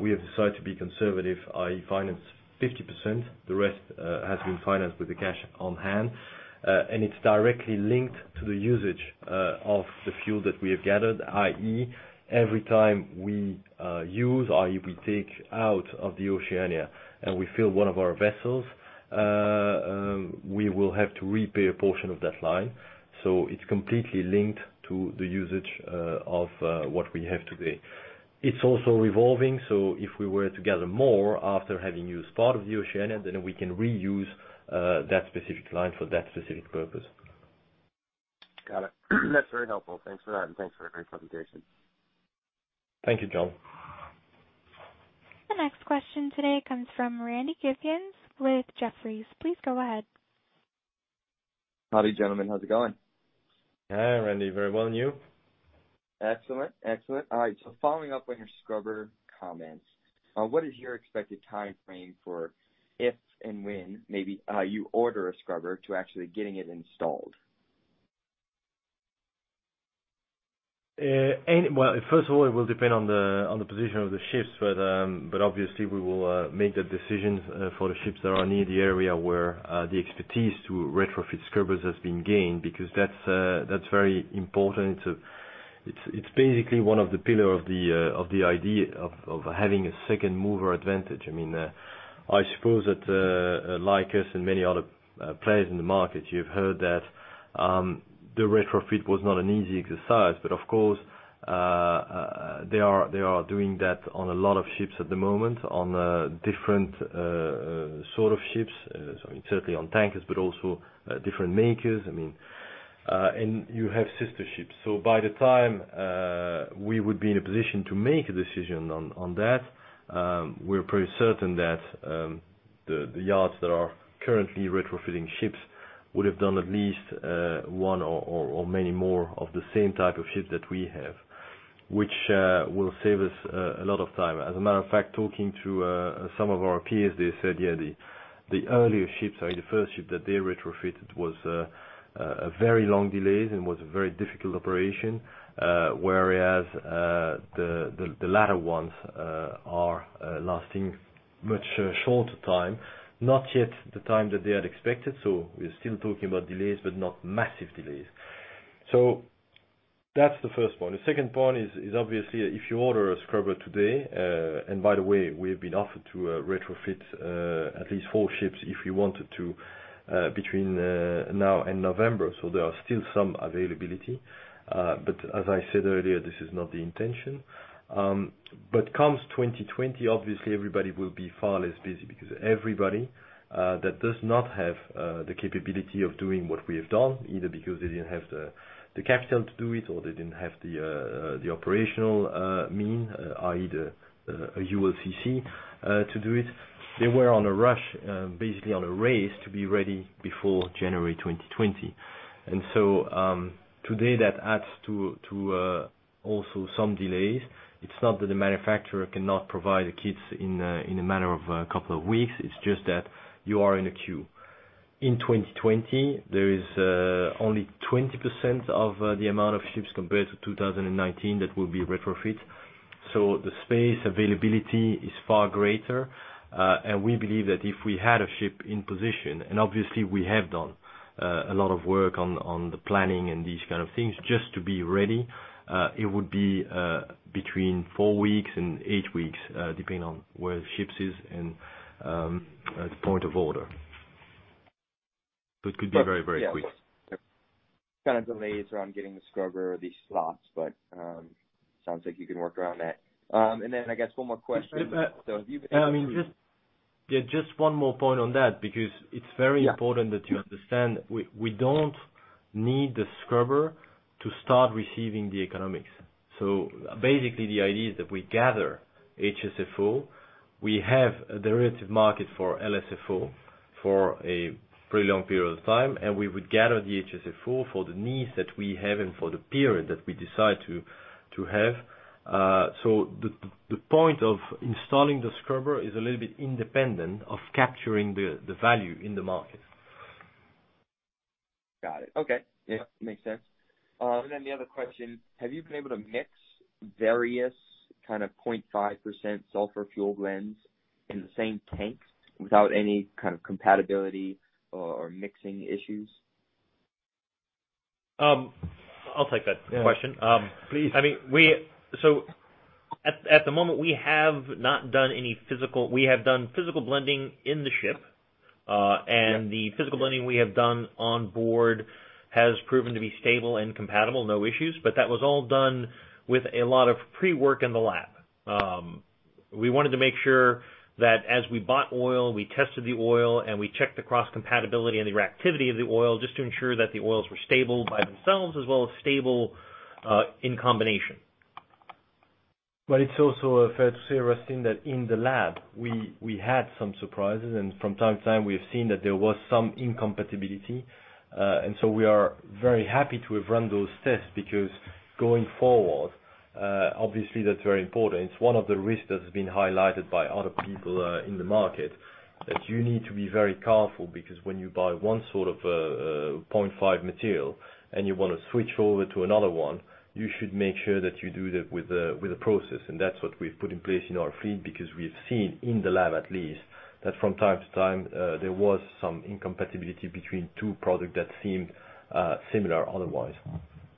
We have decided to be conservative, i.e., finance 50%. The rest has been financed with the cash on hand, and it's directly linked to the usage of the fuel that we have gathered, i.e., every time we use, i.e., we take out of the Oceania and we fill one of our vessels, we will have to repay a portion of that line. It's completely linked to the usage of what we have today. It's also revolving, so if we were to gather more after having used part of the Oceania, then we can reuse that specific line for that specific purpose. Got it. That's very helpful. Thanks for that, and thanks for the great presentation. Thank you, Jon. The next question today comes from Randy Giveans with Jefferies. Please go ahead. gentlemen. How's it going? Hi, Randy. Very well and you? Excellent. Excellent. All right. So following up on your scrubber comments, what is your expected timeframe for if and when maybe you order a scrubber to actually getting it installed? Well, first of all, it will depend on the position of the ships, but obviously, we will make that decision for the ships that are near the area where the expertise to retrofit scrubbers has been gained because that's very important. It's basically one of the pillars of the idea of having a second mover advantage. I mean, I suppose that like us and many other players in the market, you've heard that the retrofit was not an easy exercise, but of course, they are doing that on a lot of ships at the moment, on different sort of ships, certainly on tankers, but also different makers. I mean, and you have sister ships. So by the time we would be in a position to make a decision on that, we're pretty certain that the yards that are currently retrofitting ships would have done at least one or many more of the same type of ship that we have, which will save us a lot of time. As a matter of fact, talking to some of our peers, they said, yeah, the earlier ships, the first ship that they retrofitted was a very long delay and was a very difficult operation, whereas the latter ones are lasting much shorter time, not yet the time that they had expected. So we're still talking about delays, but not massive delays. So that's the first point. The second point is obviously if you order a scrubber today, and by the way, we have been offered to retrofit at least 4 ships if we wanted to between now and November, so there are still some availability. But as I said earlier, this is not the intention. But comes 2020, obviously, everybody will be far less busy because everybody that does not have the capability of doing what we have done, either because they didn't have the capital to do it or they didn't have the operational means, i.e., a ULCC to do it, they were on a rush, basically on a race to be ready before January 2020. And so today, that adds to also some delays. It's not that the manufacturer cannot provide the kits in a manner of a couple of weeks. It's just that you are in a queue. In 2020, there is only 20% of the amount of ships compared to 2019 that will be retrofitted. So the space availability is far greater. We believe that if we had a ship in position, and obviously, we have done a lot of work on the planning and these kind of things just to be ready, it would be between 4 weeks and 8 weeks, depending on where the ship is and the point of order. But it could be very, very quick. Kind of delays around getting the scrubber or these slots, but it sounds like you can work around that. Then I guess one more question. So have you been able to? Yeah, just one more point on that because it's very important that you understand we don't need the scrubber to start receiving the economics. So basically, the idea is that we gather HSFO. We have a derivative market for LSFO for a pretty long period of time, and we would gather the HSFO for the needs that we have and for the period that we decide to have. So the point of installing the scrubber is a little bit independent of capturing the value in the market. Got it. Okay. Yeah, makes sense. And then the other question, have you been able to mix various kind of 0.5% sulfur fuel blends in the same tank without any kind of compatibility or mixing issues? I'll take that question. Please. I mean, so at the moment, we have done physical blending in the ship, and the physical blending we have done on board has proven to be stable and compatible, no issues, but that was all done with a lot of pre-work in the lab. We wanted to make sure that as we bought oil, we tested the oil, and we checked the cross-compatibility and the reactivity of the oil just to ensure that the oils were stable by themselves as well as stable in combination. But it's also fair to say a thing that in the lab, we had some surprises, and from time to time, we have seen that there was some incompatibility. So we are very happy to have run those tests because going forward, obviously, that's very important. It's one of the risks that has been highlighted by other people in the market that you need to be very careful because when you buy one sort of 0.5 material and you want to switch over to another one, you should make sure that you do that with a process. And that's what we've put in place in our fleet because we've seen in the lab, at least, that from time to time, there was some incompatibility between two products that seemed similar otherwise.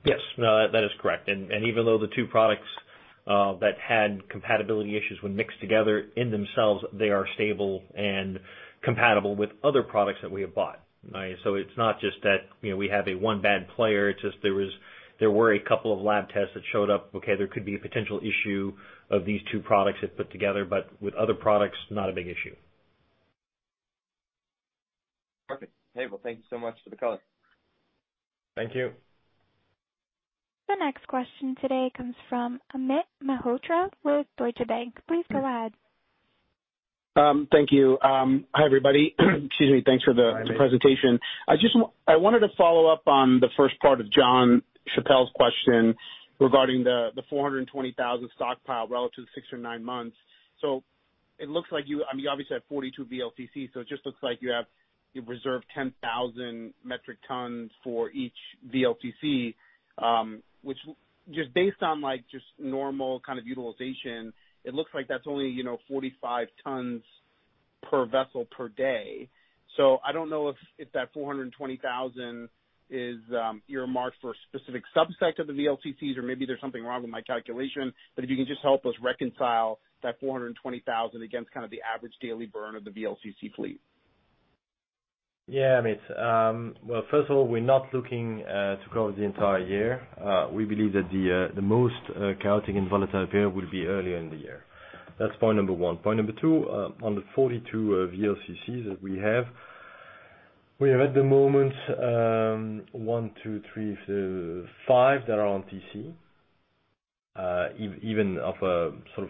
Yes. No, that is correct. And even though the two products that had compatibility issues when mixed together in themselves, they are stable and compatible with other products that we have bought. So it's not just that we have a one bad player. It's just there were a couple of lab tests that showed up, okay, there could be a potential issue of these two products if put together, but with other products, not a big issue. Perfect. Hey, well, thank you so much for the call. Thank you. The next question today comes from Amit Mehrotra with Deutsche Bank. Please go ahead. Thank you. Hi, everybody. Excuse me. Thanks for the presentation. I wanted to follow up on the first part of Jon Chappell's question regarding the 420,000 stockpile relative to six or nine months. So it looks like you obviously have 42 VLCCs, so it just looks like you have reserved 10,000 metric tons for each VLCC, which just based on just normal kind of utilization, it looks like that's only 45 tons per vessel per day. So I don't know if that 420,000 is either marked for a specific subset of the VLCCs or maybe there's something wrong with my calculation, but if you can just help us reconcile that 420,000 against kind of the average daily burn of the VLCC fleet. Yeah, Amit. Well, first of all, we're not looking to cover the entire year. We believe that the most chaotic and volatile period will be earlier in the year. That's point number one. Point number 2, on the 42 VLCCs that we have, we have at the moment 1, 2, 3, 5, that are on TC, even of a sort of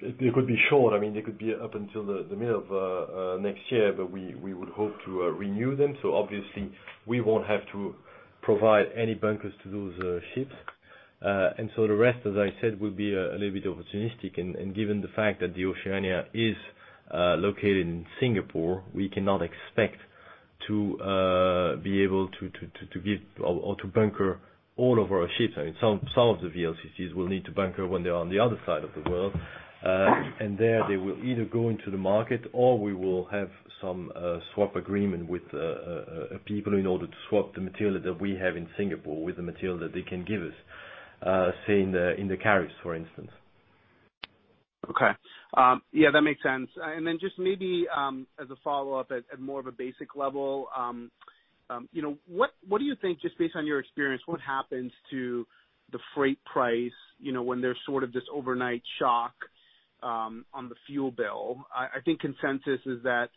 it could be short. I mean, they could be up until the middle of next year, but we would hope to renew them. So obviously, we won't have to provide any bunkers to those ships. And so the rest, as I said, will be a little bit opportunistic. And given the fact that the Oceania is located in Singapore, we cannot expect to be able to give or to bunker all of our ships. I mean, some of the VLCCs will need to bunker when they are on the other side of the world. There they will either go into the market or we will have some swap agreement with people in order to swap the material that we have in Singapore with the material that they can give us, say in the Caribs, for instance. Okay. Yeah, that makes sense. Then just maybe as a follow-up at more of a basic level, what do you think, just based on your experience, what happens to the freight price when there's sort of this overnight shock on the fuel bill? I think consensus is that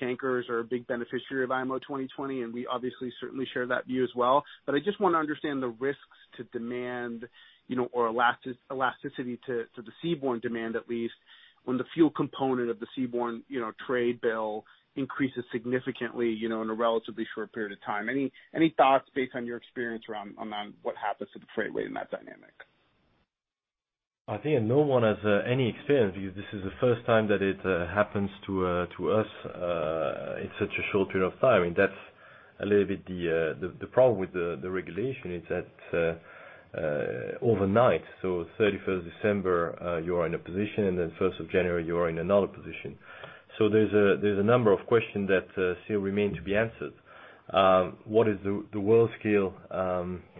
tankers are a big beneficiary of IMO 2020, and we obviously certainly share that view as well. But I just want to understand the risks to demand or elasticity to the seaborne demand, at least, when the fuel component of the seaborne trade bill increases significantly in a relatively short period of time. Any thoughts based on your experience around what happens to the freight rate and that dynamic? I think no one has any experience because this is the first time that it happens to us in such a short period of time. I mean, that's a little bit the problem with the regulation is that overnight, so 31st December, you are in a position, and then 1st of January, you are in another position. So there's a number of questions that still remain to be answered. What is the World scale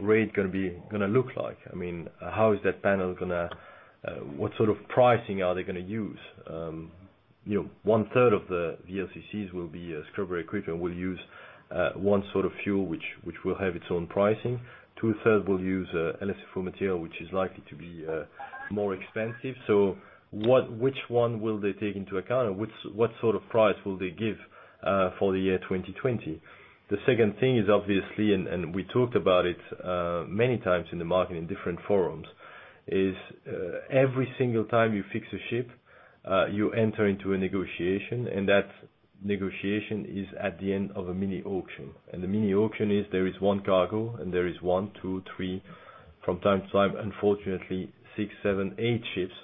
rate going to look like? I mean, how is that panel going to what sort of pricing are they going to use? One-third of the VLCCs will be scrubber-equipped and will use one sort of fuel which will have its own pricing. Two-thirds will use LSFO material, which is likely to be more expensive. Which one will they take into account, or what sort of price will they give for the year 2020? The second thing is obviously, and we talked about it many times in the market in different forums, is every single time you fix a ship, you enter into a negotiation, and that negotiation is at the end of a mini auction. The mini auction is there is 1 cargo, and there is 1, 2, 3, from time to time, unfortunately, 6, 7, 8 ships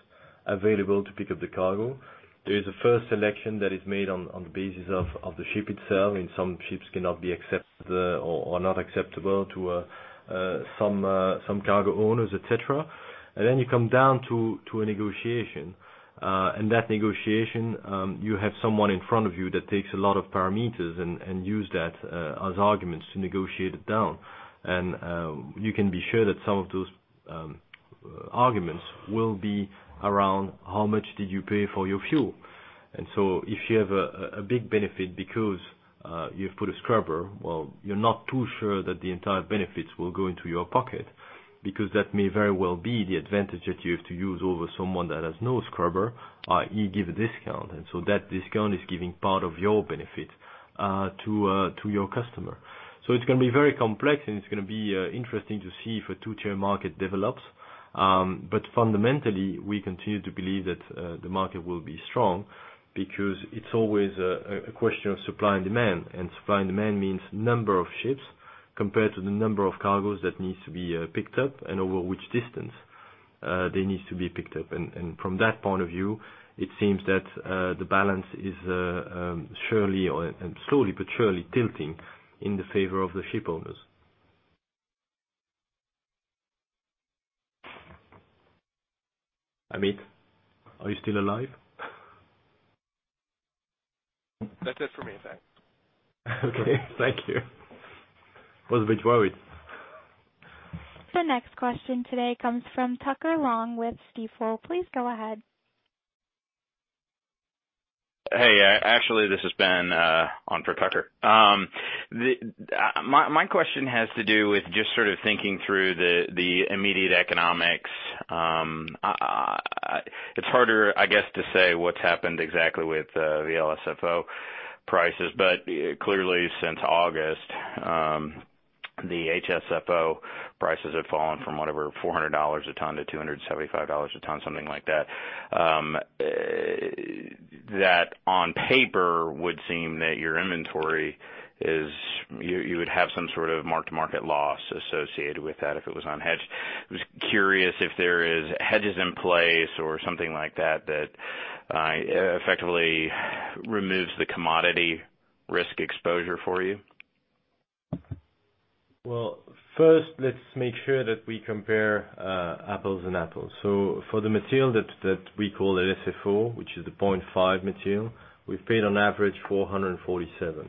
available to pick up the cargo. There is a first selection that is made on the basis of the ship itself, and some ships cannot be accepted or not acceptable to some cargo owners, etc. Then you come down to a negotiation. That negotiation, you have someone in front of you that takes a lot of parameters and uses that as arguments to negotiate it down. You can be sure that some of those arguments will be around how much did you pay for your fuel? So if you have a big benefit because you've put a scrubber, well, you're not too sure that the entire benefits will go into your pocket because that may very well be the advantage that you have to use over someone that has no scrubber, i.e., give a discount. That discount is giving part of your benefit to your customer. It's going to be very complex, and it's going to be interesting to see if a two-tier market develops. But fundamentally, we continue to believe that the market will be strong because it's always a question of supply and demand. Supply and demand means number of ships compared to the number of cargos that needs to be picked up and over which distance they need to be picked up. And from that point of view, it seems that the balance is surely and slowly, but surely tilting in the favor of the ship owners. Amit, are you still alive? That's it for me, thanks. Okay. Thank you. I was a bit worried. The next question today comes from Tucker Long with Stifel. Please go ahead. Hey, actually, this is Ben on for Tucker. My question has to do with just sort of thinking through the immediate economics. It's harder, I guess, to say what's happened exactly with the LSFO prices, but clearly, since August, the HSFO prices have fallen from whatever, $400 a ton to $275 a ton, something like that. That, on paper, would seem that your inventory is you would have some sort of mark-to-market loss associated with that if it was unhedged. I was curious if there are hedges in place or something like that that effectively removes the commodity risk exposure for you. Well, first, let's make sure that we compare apples and apples. So for the material that we call LSFO, which is the 0.5 material, we've paid on average $447.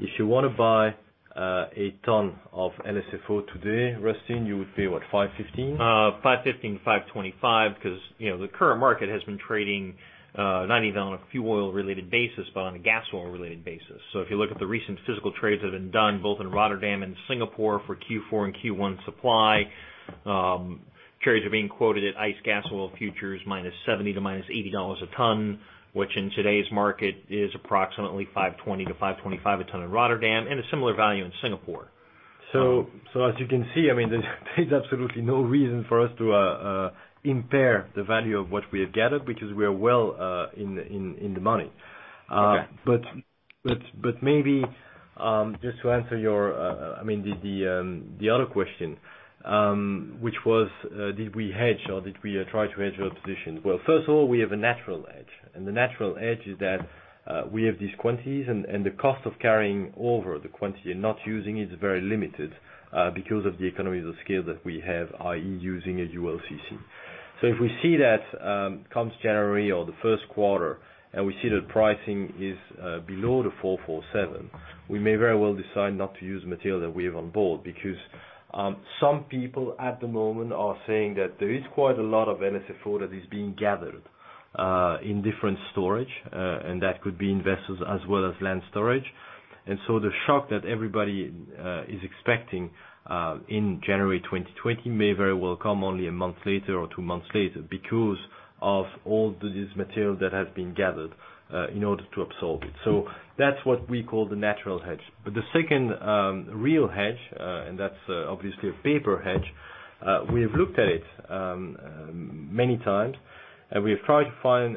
If you want to buy a ton of LSFO today, Rustin, you would pay, what, $515? $515, $525, because the current market has been trading not even on a fuel oil-related basis, but on a gas oil-related basis. So if you look at the recent physical trades that have been done both in Rotterdam and Singapore for Q4 and Q1 supply, trades are being quoted at ICE gas oil futures -$70 to -$80 a ton, which in today's market is approximately $520-$525 a ton in Rotterdam and a similar value in Singapore. So as you can see, I mean, there's absolutely no reason for us to impair the value of what we have gathered because we are well in the money. But maybe just to answer your, I mean, the other question, which was, did we hedge or did we try to hedge our position? Well, first of all, we have a natural hedge. The natural hedge is that we have these quantities, and the cost of carrying over the quantity and not using it is very limited because of the economies of scale that we have, i.e., using a ULCC. So if we see that comes January or the first quarter and we see that pricing is below the $447, we may very well decide not to use material that we have on board because some people at the moment are saying that there is quite a lot of LSFO that is being gathered in different storage, and that could be in vessels as well as land storage. And so the shock that everybody is expecting in January 2020 may very well come only a month later or two months later because of all this material that has been gathered in order to absorb it. So that's what we call the natural hedge. But the second real hedge, and that's obviously a paper hedge, we have looked at it many times, and we have tried to find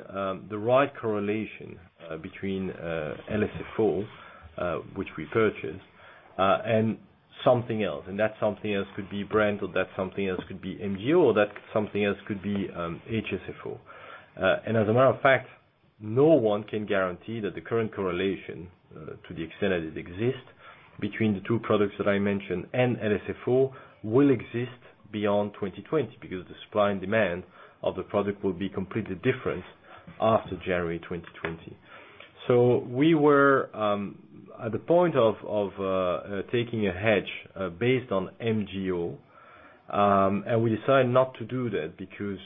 the right correlation between LSFO, which we purchased, and something else. And that something else could be Brent, or that something else could be MGO, or that something else could be HSFO. And as a matter of fact, no one can guarantee that the current correlation, to the extent that it exists, between the two products that I mentioned and LSFO will exist beyond 2020 because the supply and demand of the product will be completely different after January 2020. So we were at the point of taking a hedge based on MGO, and we decided not to do that because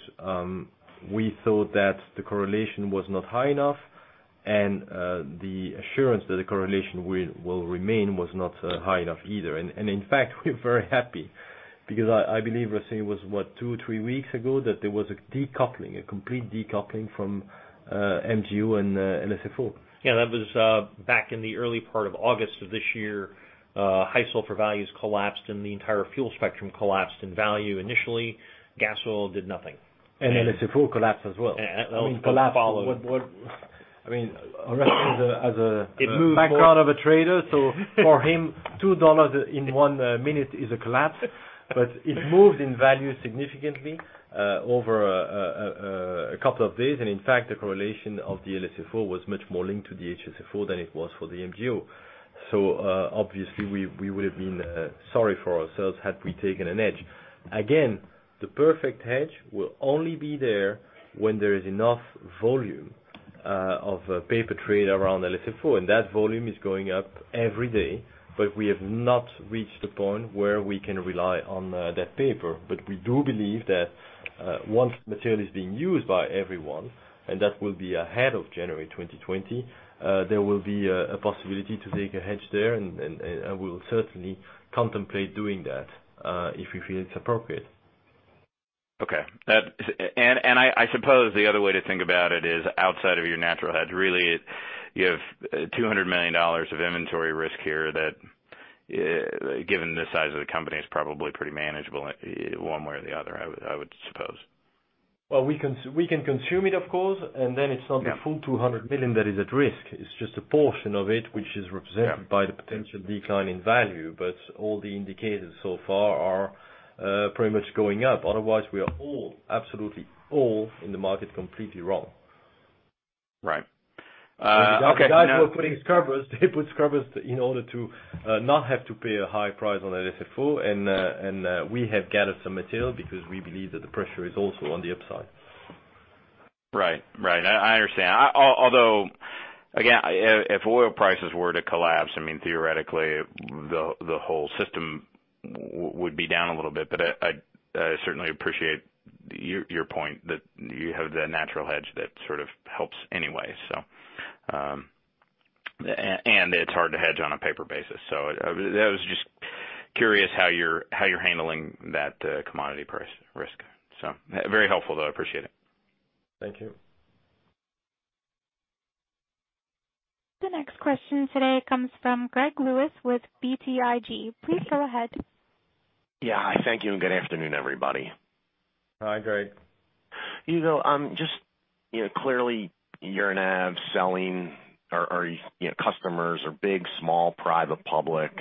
we thought that the correlation was not high enough, and the assurance that the correlation will remain was not high enough either. And in fact, we're very happy because I believe Rustin was, what, 2, 3 weeks ago that there was a decoupling, a complete decoupling from MGO and LSFO. Yeah, that was back in the early part of August of this year. High sulfur values collapsed, and the entire fuel spectrum collapsed in value. Initially, gas oil did nothing. And LSFO collapsed as well. I mean, collapsed what? I mean, Rustin is a background of a trader, so for him, $2 in 1 minute is a collapse, but it moved in value significantly over a couple of days. And in fact, the correlation of the LSFO was much more linked to the HSFO than it was for the MGO. So obviously, we would have been sorry for ourselves had we taken an edge. Again, the perfect hedge will only be there when there is enough volume of paper trade around LSFO. And that volume is going up every day, but we have not reached the point where we can rely on that paper. But we do believe that once the material is being used by everyone, and that will be ahead of January 2020, there will be a possibility to take a hedge there, and we will certainly contemplate doing that if we feel it's appropriate. Okay. I suppose the other way to think about it is outside of your natural hedge, really, you have $200 million of inventory risk here that, given the size of the company, is probably pretty manageable one way or the other, I would suppose. Well, we can consume it, of course, and then it's not the full $200 million that is at risk. It's just a portion of it, which is represented by the potential decline in value. But all the indicators so far are pretty much going up. Otherwise, we are all, absolutely all, in the market completely wrong. Right. Okay. Guys, we're putting scrubbers. They put scrubbers in order to not have to pay a high price on LSFO, and we have gathered some material because we believe that the pressure is also on the upside. Right. Right. I understand. Although, again, if oil prices were to collapse, I mean, theoretically, the whole system would be down a little bit. But I certainly appreciate your point that you have the natural hedge that sort of helps anyway, so. And it's hard to hedge on a paper basis. So I was just curious how you're handling that commodity price risk. So very helpful, though. I appreciate it. Thank you. The next question today comes from Greg Lewis with BTIG. Please go ahead. Yeah. Hi, thank you, and good afternoon, everybody. Hi, Greg. Just clearly, you're now selling our customers are big, small, private, public.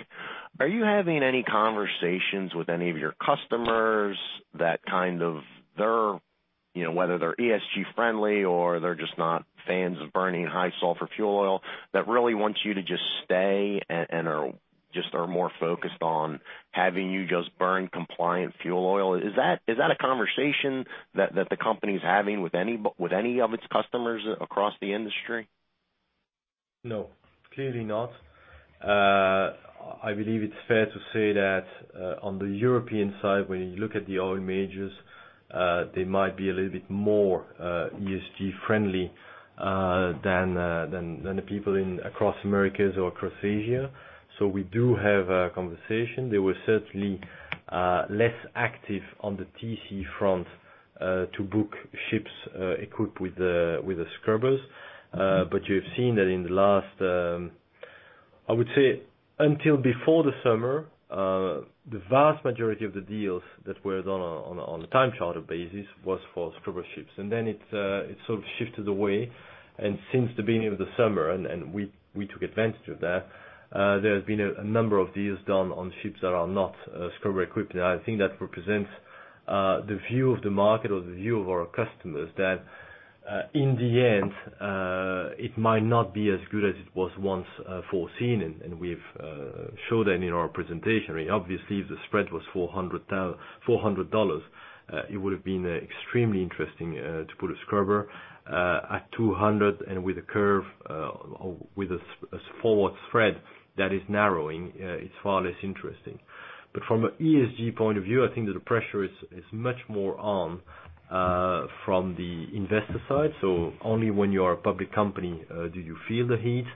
Are you having any conversations with any of your customers that kind of, whether they're ESG-friendly or they're just not fans of burning high sulfur fuel oil, that really want you to just stay and are just more focused on having you just burn compliant fuel oil? Is that a conversation that the company is having with any of its customers across the industry? No, clearly not. I believe it's fair to say that on the European side, when you look at the oil majors, they might be a little bit more ESG-friendly than the people across Americas or across Asia. So we do have a conversation. They were certainly less active on the TC front to book ships equipped with scrubbers. But you've seen that in the last, I would say, until before the summer, the vast majority of the deals that were done on a time charter basis was for scrubber ships. And then it sort of shifted away. And since the beginning of the summer, and we took advantage of that, there have been a number of deals done on ships that are not scrubber-equipped. I think that represents the view of the market or the view of our customers that in the end, it might not be as good as it was once foreseen. We've showed that in our presentation. I mean, obviously, if the spread was $400, it would have been extremely interesting to put a scrubber at $200. With a curve with a forward spread that is narrowing, it's far less interesting. But from an ESG point of view, I think that the pressure is much more on from the investor side. So only when you are a public company do you feel the heat.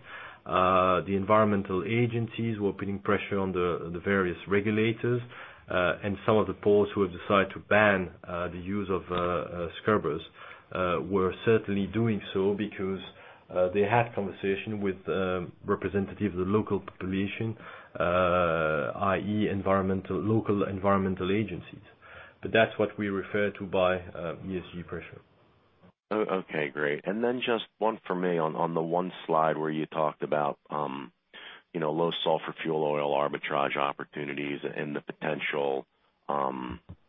The environmental agencies were putting pressure on the various regulators. Some of the ports who have decided to ban the use of scrubbers were certainly doing so because they had conversation with representatives of the local population, i.e., local environmental agencies. But that's what we refer to by ESG pressure. Okay. Great. Then just one for me on the one slide where you talked about low sulfur fuel oil arbitrage opportunities and the potential,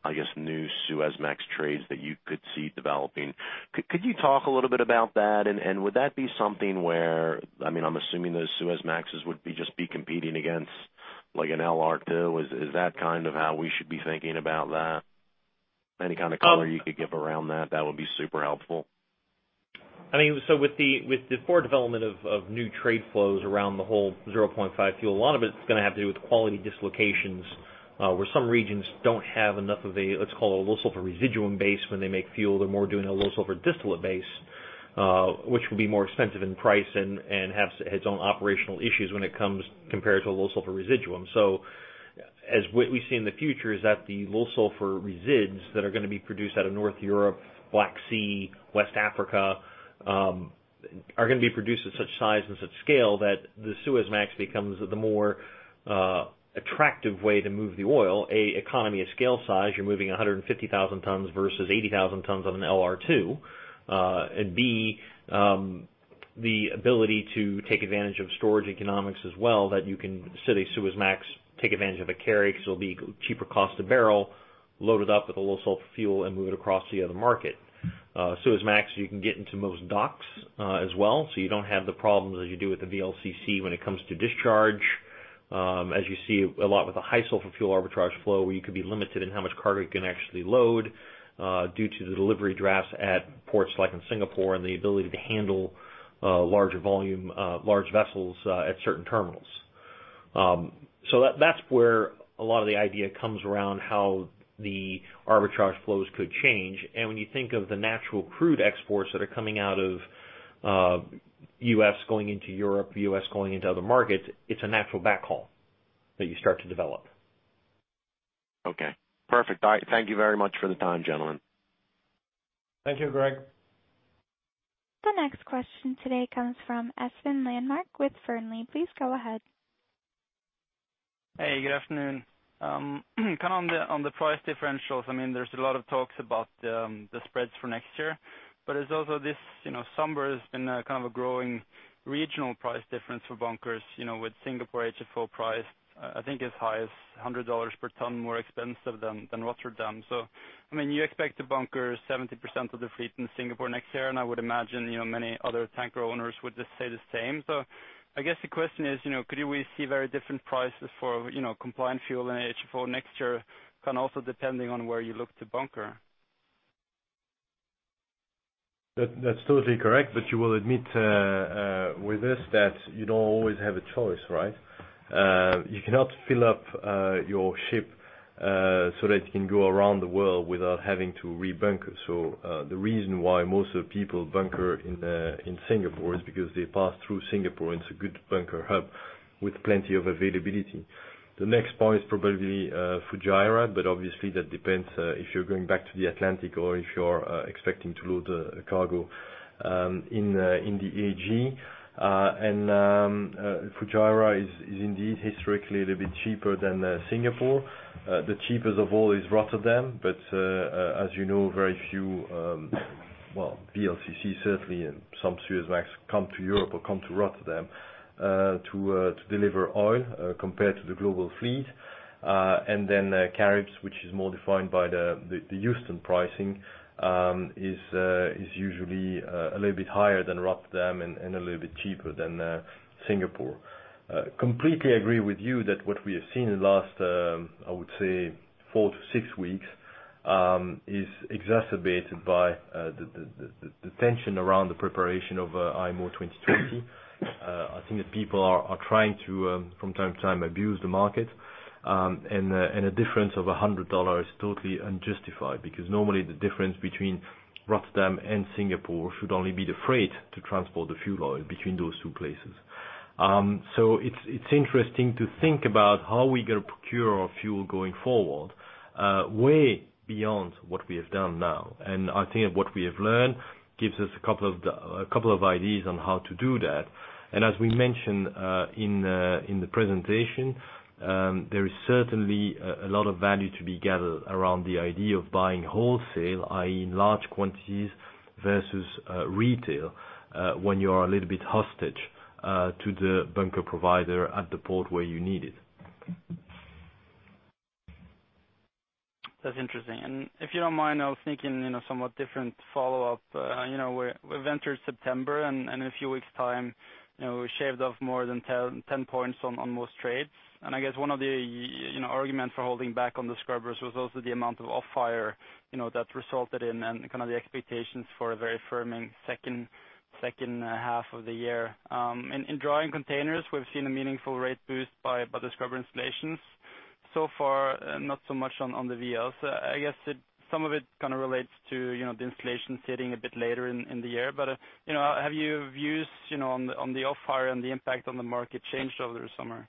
I guess, new Suezmax trades that you could see developing. Could you talk a little bit about that? And would that be something where, I mean, I'm assuming those Suezmaxes would just be competing against an El Arto? Is that kind of how we should be thinking about that? Any kind of color you could give around that, that would be super helpful. I mean, so with the forward development of new trade flows around the whole 0.5 fuel, a lot of it's going to have to do with quality dislocations where some regions don't have enough of a, let's call it a low sulfur residuum base when they make fuel. They're more doing a low sulfur distillate base, which will be more expensive in price and have its own operational issues when it comes compared to a low sulfur residuum. So as we see in the future, is that the low sulfur resids that are going to be produced out of Northwest Europe, Black Sea, West Africa are going to be produced at such size and such scale that the Suezmax becomes the more attractive way to move the oil? A, economy of scale size, you're moving 150,000 tons versus 80,000 tons on an LR2. And B, the ability to take advantage of storage economics as well, that you can set a Suezmax, take advantage of a carry because it'll be cheaper cost to barrel, load it up with a low sulfur fuel, and move it across the other market. Suezmax, you can get into most docks as well. So you don't have the problems as you do with the VLCC when it comes to discharge, as you see a lot with the high sulfur fuel arbitrage flow where you could be limited in how much cargo you can actually load due to the delivery drafts at ports like in Singapore and the ability to handle large volume, large vessels at certain terminals. So that's where a lot of the idea comes around how the arbitrage flows could change. And when you think of the natural crude exports that are coming out of U.S. going into Europe, U.S. going into other markets, it's a natural backhaul that you start to develop. Okay. Perfect. Thank you very much for the time, gentlemen. Thank you, Greg. The next question today comes from Espen Landmark with Fearnley. Please go ahead. Hey, good afternoon. Kind of on the price differentials, I mean, there's a lot of talks about the spreads for next year. But there's also this summer has been kind of a growing regional price difference for bunkers with Singapore HFO price, I think, as high as $100 per ton, more expensive than Rotterdam. So, I mean, you expect to bunker 70% of the fleet in Singapore next year, and I would imagine many other tanker owners would just say the same. So I guess the question is, could you really see very different prices for compliant fuel and HFO next year, kind of also depending on where you look to bunker? That's totally correct. But you will admit with this that you don't always have a choice, right? You cannot fill up your ship so that you can go around the world without having to re-bunker. So the reason why most of the people bunker in Singapore is because they pass through Singapore. It's a good bunker hub with plenty of availability. The next point is probably Fujairah, but obviously, that depends if you're going back to the Atlantic or if you're expecting to load a cargo in the AG. And Fujairah is indeed historically a little bit cheaper than Singapore. The cheapest of all is Rotterdam. But as you know, very few, well, VLCC certainly, and some Suezmax come to Europe or come to Rotterdam to deliver oil compared to the global fleet. And then Caribs, which is more defined by the Houston pricing, is usually a little bit higher than Rotterdam and a little bit cheaper than Singapore. Completely agree with you that what we have seen in the last, I would say, 4-6 weeks is exacerbated by the tension around the preparation of IMO 2020. I think that people are trying to, from time to time, abuse the market. A difference of $100 is totally unjustified because normally the difference between Rotterdam and Singapore should only be the freight to transport the fuel oil between those two places. It's interesting to think about how we're going to procure our fuel going forward way beyond what we have done now. I think what we have learned gives us a couple of ideas on how to do that. As we mentioned in the presentation, there is certainly a lot of value to be gathered around the idea of buying wholesale, i.e., in large quantities versus retail when you are a little bit hostage to the bunker provider at the port where you need it. That's interesting. And if you don't mind, I was thinking somewhat different follow-up. We've entered September, and in a few weeks' time, we shaved off more than 10 points on most trades. I guess one of the arguments for holding back on the scrubbers was also the amount of off-hire that resulted in kind of the expectations for a very firming second half of the year. In drying containers, we've seen a meaningful rate boost by the scrubber installations. So far, not so much on the VLs. I guess some of it kind of relates to the installations hitting a bit later in the year. Have your views on the off-hire and the impact on the market changed over the summer?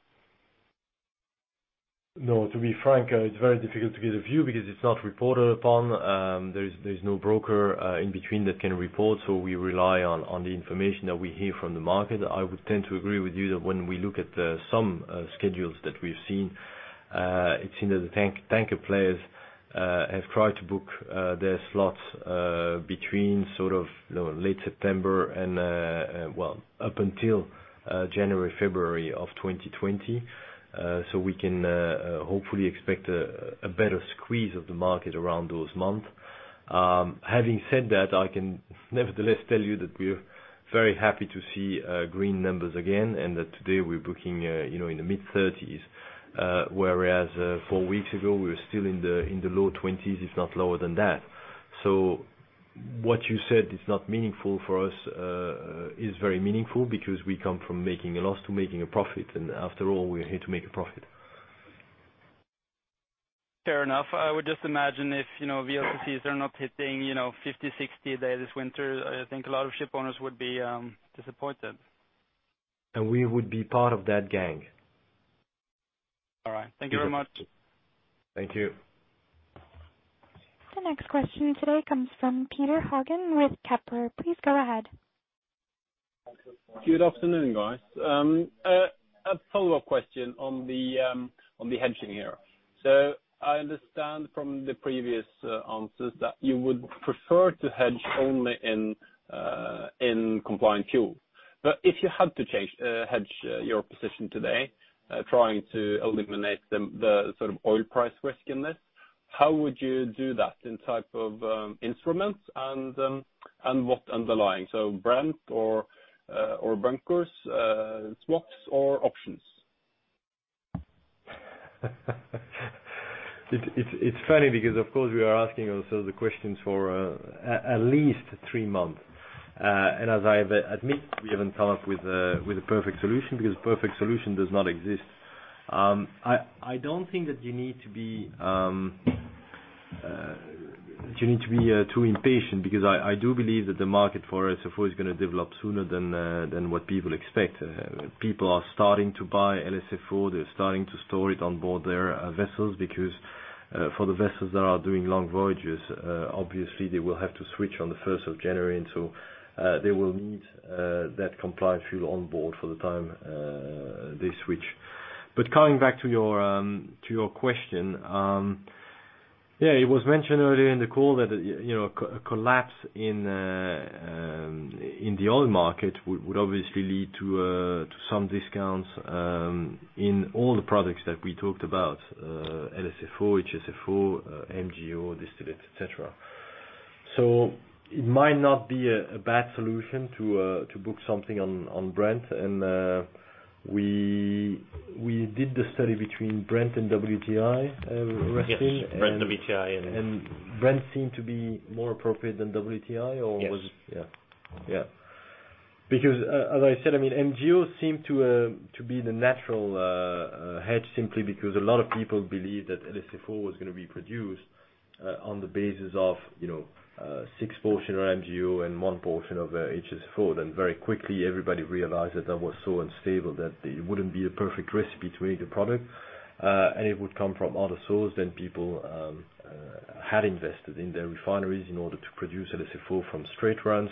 No, to be frank, it's very difficult to get a view because it's not reported upon. There is no broker in between that can report. We rely on the information that we hear from the market. I would tend to agree with you that when we look at some schedules that we've seen, it seems that the tanker players have tried to book their slots between sort of late September and, well, up until January, February of 2020. We can hopefully expect a better squeeze of the market around those months. Having said that, I can nevertheless tell you that we're very happy to see green numbers again and that today we're booking in the mid-30s, whereas 4 weeks ago, we were still in the low 20s, if not lower than that. So what you said is not meaningful for us, is very meaningful because we come from making a loss to making a profit. And after all, we're here to make a profit. Fair enough. I would just imagine if VLCCs are not hitting 50, 60 a day this winter, I think a lot of ship owners would be disappointed. And we would be part of that gang. All right. Thank you very much. Thank you. The next question today comes from Petter Haugen with Kepler. Please go ahead. Good afternoon, guys. A follow-up question on the hedging here. So I understand from the previous answers that you would prefer to hedge only in compliant fuel. But if you had to hedge your position today, trying to eliminate the sort of oil price risk in this, how would you do that in type of instruments and what underlying? So Brent or bunkers, swaps, or options? It's funny because, of course, we are asking ourselves the questions for at least three months. And as I admit, we haven't come up with a perfect solution because a perfect solution does not exist. I don't think that you need to be too impatient because I do believe that the market for LSFO is going to develop sooner than what people expect. People are starting to buy LSFO. They're starting to store it on board their vessels because for the vessels that are doing long voyages, obviously, they will have to switch on the 1st of January. And so they will need that compliant fuel on board for the time they switch. But coming back to your question, yeah, it was mentioned earlier in the call that a collapse in the oil market would obviously lead to some discounts in all the products that we talked about: LSFO, HSFO, MGO, distillate, etc. So it might not be a bad solution to book something on Brent. And we did the study between Brent and WTI, Rustin? Yes, Brent, WTI, and. And Brent seemed to be more appropriate than WTI, or was it? Yes. Yeah. Yeah. Because as I said, I mean, MGO seemed to be the natural hedge simply because a lot of people believed that LSFO was going to be produced on the basis of six portions of MGO and one portion of HSFO. Then very quickly, everybody realized that that was so unstable that it wouldn't be a perfect recipe to make the product. And it would come from other sources than people had invested in their refineries in order to produce LSFO from straight runs.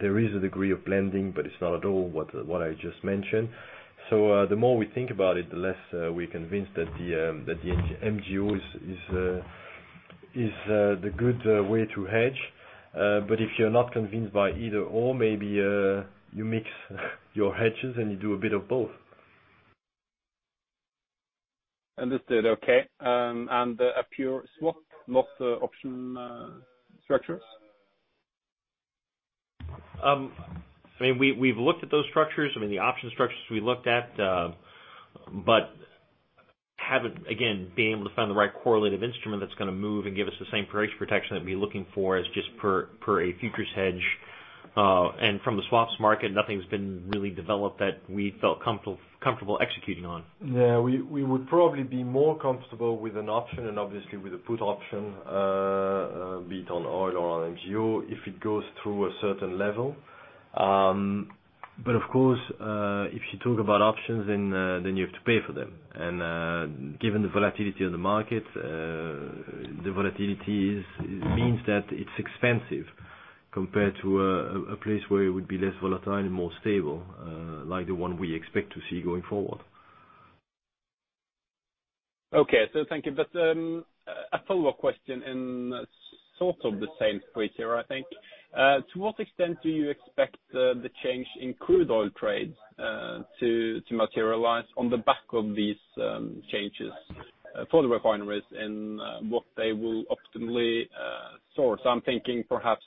There is a degree of blending, but it's not at all what I just mentioned. So the more we think about it, the less we're convinced that the MGO is the good way to hedge. But if you're not convinced by either/or, maybe you mix your hedges and you do a bit of both. Understood. Okay. And a pure swap, not option structures? I mean, we've looked at those structures. I mean, the option structures we looked at, but haven't, again, been able to find the right correlative instrument that's going to move and give us the same price protection that we're looking for as just per a futures hedge. From the swaps market, nothing's been really developed that we felt comfortable executing on. Yeah. We would probably be more comfortable with an option and obviously with a put option, be it on oil or on MGO, if it goes through a certain level. But of course, if you talk about options, then you have to pay for them. Given the volatility of the market, the volatility means that it's expensive compared to a place where it would be less volatile and more stable, like the one we expect to see going forward. Okay. So thank you. A follow-up question in sort of the same space here, I think. To what extent do you expect the change in crude oil trades to materialize on the back of these changes for the refineries and what they will optimally source? I'm thinking perhaps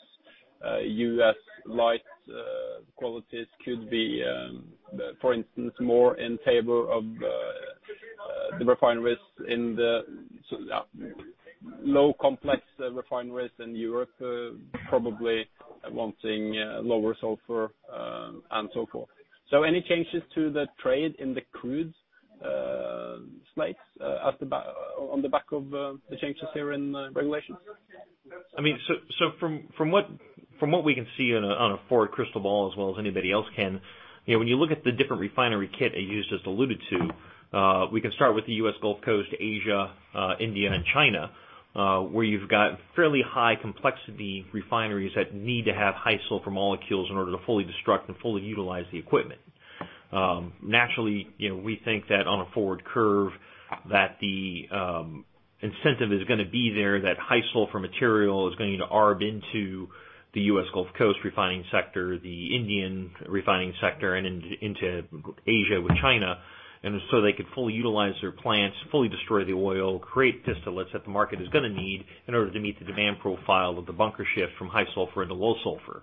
U.S. light qualities could be, for instance, more in favor of the refineries in the low complex refineries in Europe, probably wanting lower sulfur and so forth. Any changes to the trade in the crude slates on the back of the changes here in regulations? I mean, so from what we can see on a forward crystal ball, as well as anybody else can, when you look at the different refinery kit I just alluded to, we can start with the U.S. Gulf Coast, Asia, India, and China, where you've got fairly high complexity refineries that need to have high sulfur molecules in order to fully destruct and fully utilize the equipment. Naturally, we think that on a forward curve, that the incentive is going to be there that high sulfur material is going to arb into the U.S. Gulf Coast refining sector, the Indian refining sector, and into Asia with China. And so they could fully utilize their plants, fully destroy the oil, create distillates that the market is going to need in order to meet the demand profile of the bunker shift from high sulfur into low sulfur.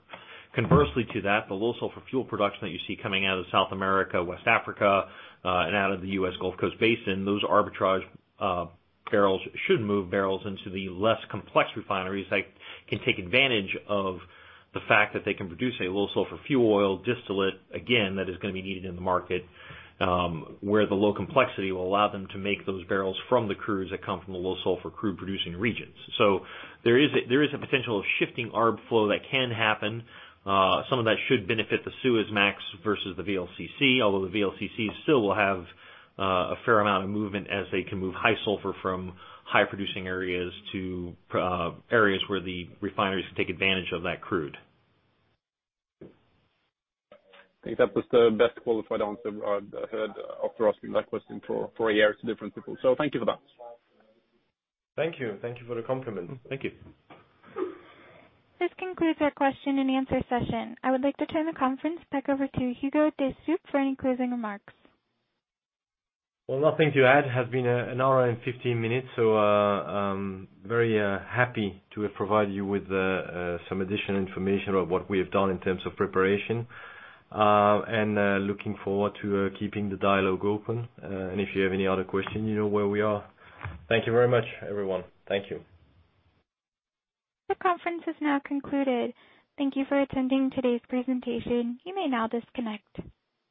Conversely to that, the low sulfur fuel production that you see coming out of South America, West Africa, and out of the U.S. Gulf Coast basin, those arbitrage barrels should move barrels into the less complex refineries that can take advantage of the fact that they can produce a low sulfur fuel oil distillate, again, that is going to be needed in the market, where the low complexity will allow them to make those barrels from the crudes that come from the low sulfur crude-producing regions. So there is a potential of shifting arb flow that can happen. Some of that should benefit the Suezmax versus the VLCC, although the VLCC still will have a fair amount of movement as they can move high sulfur from high-producing areas to areas where the refineries can take advantage of that crude. I think that was the best qualified answer I've heard after asking that question for a year to different people. So thank you for that. Thank you. Thank you for the compliment. Thank you. This concludes our question and answer session. I would like to turn the conference back over to Hugo de Stoop for any closing remarks. Well, nothing to add. It has been 1 hour and 15 minutes, so very happy to have provided you with some additional information about what we have done in terms of preparation. Looking forward to keeping the dialogue open. If you have any other questions, you know where we are. Thank you very much, everyone. Thank you. The conference has now concluded. Thank you for attending today's presentation. You may now disconnect.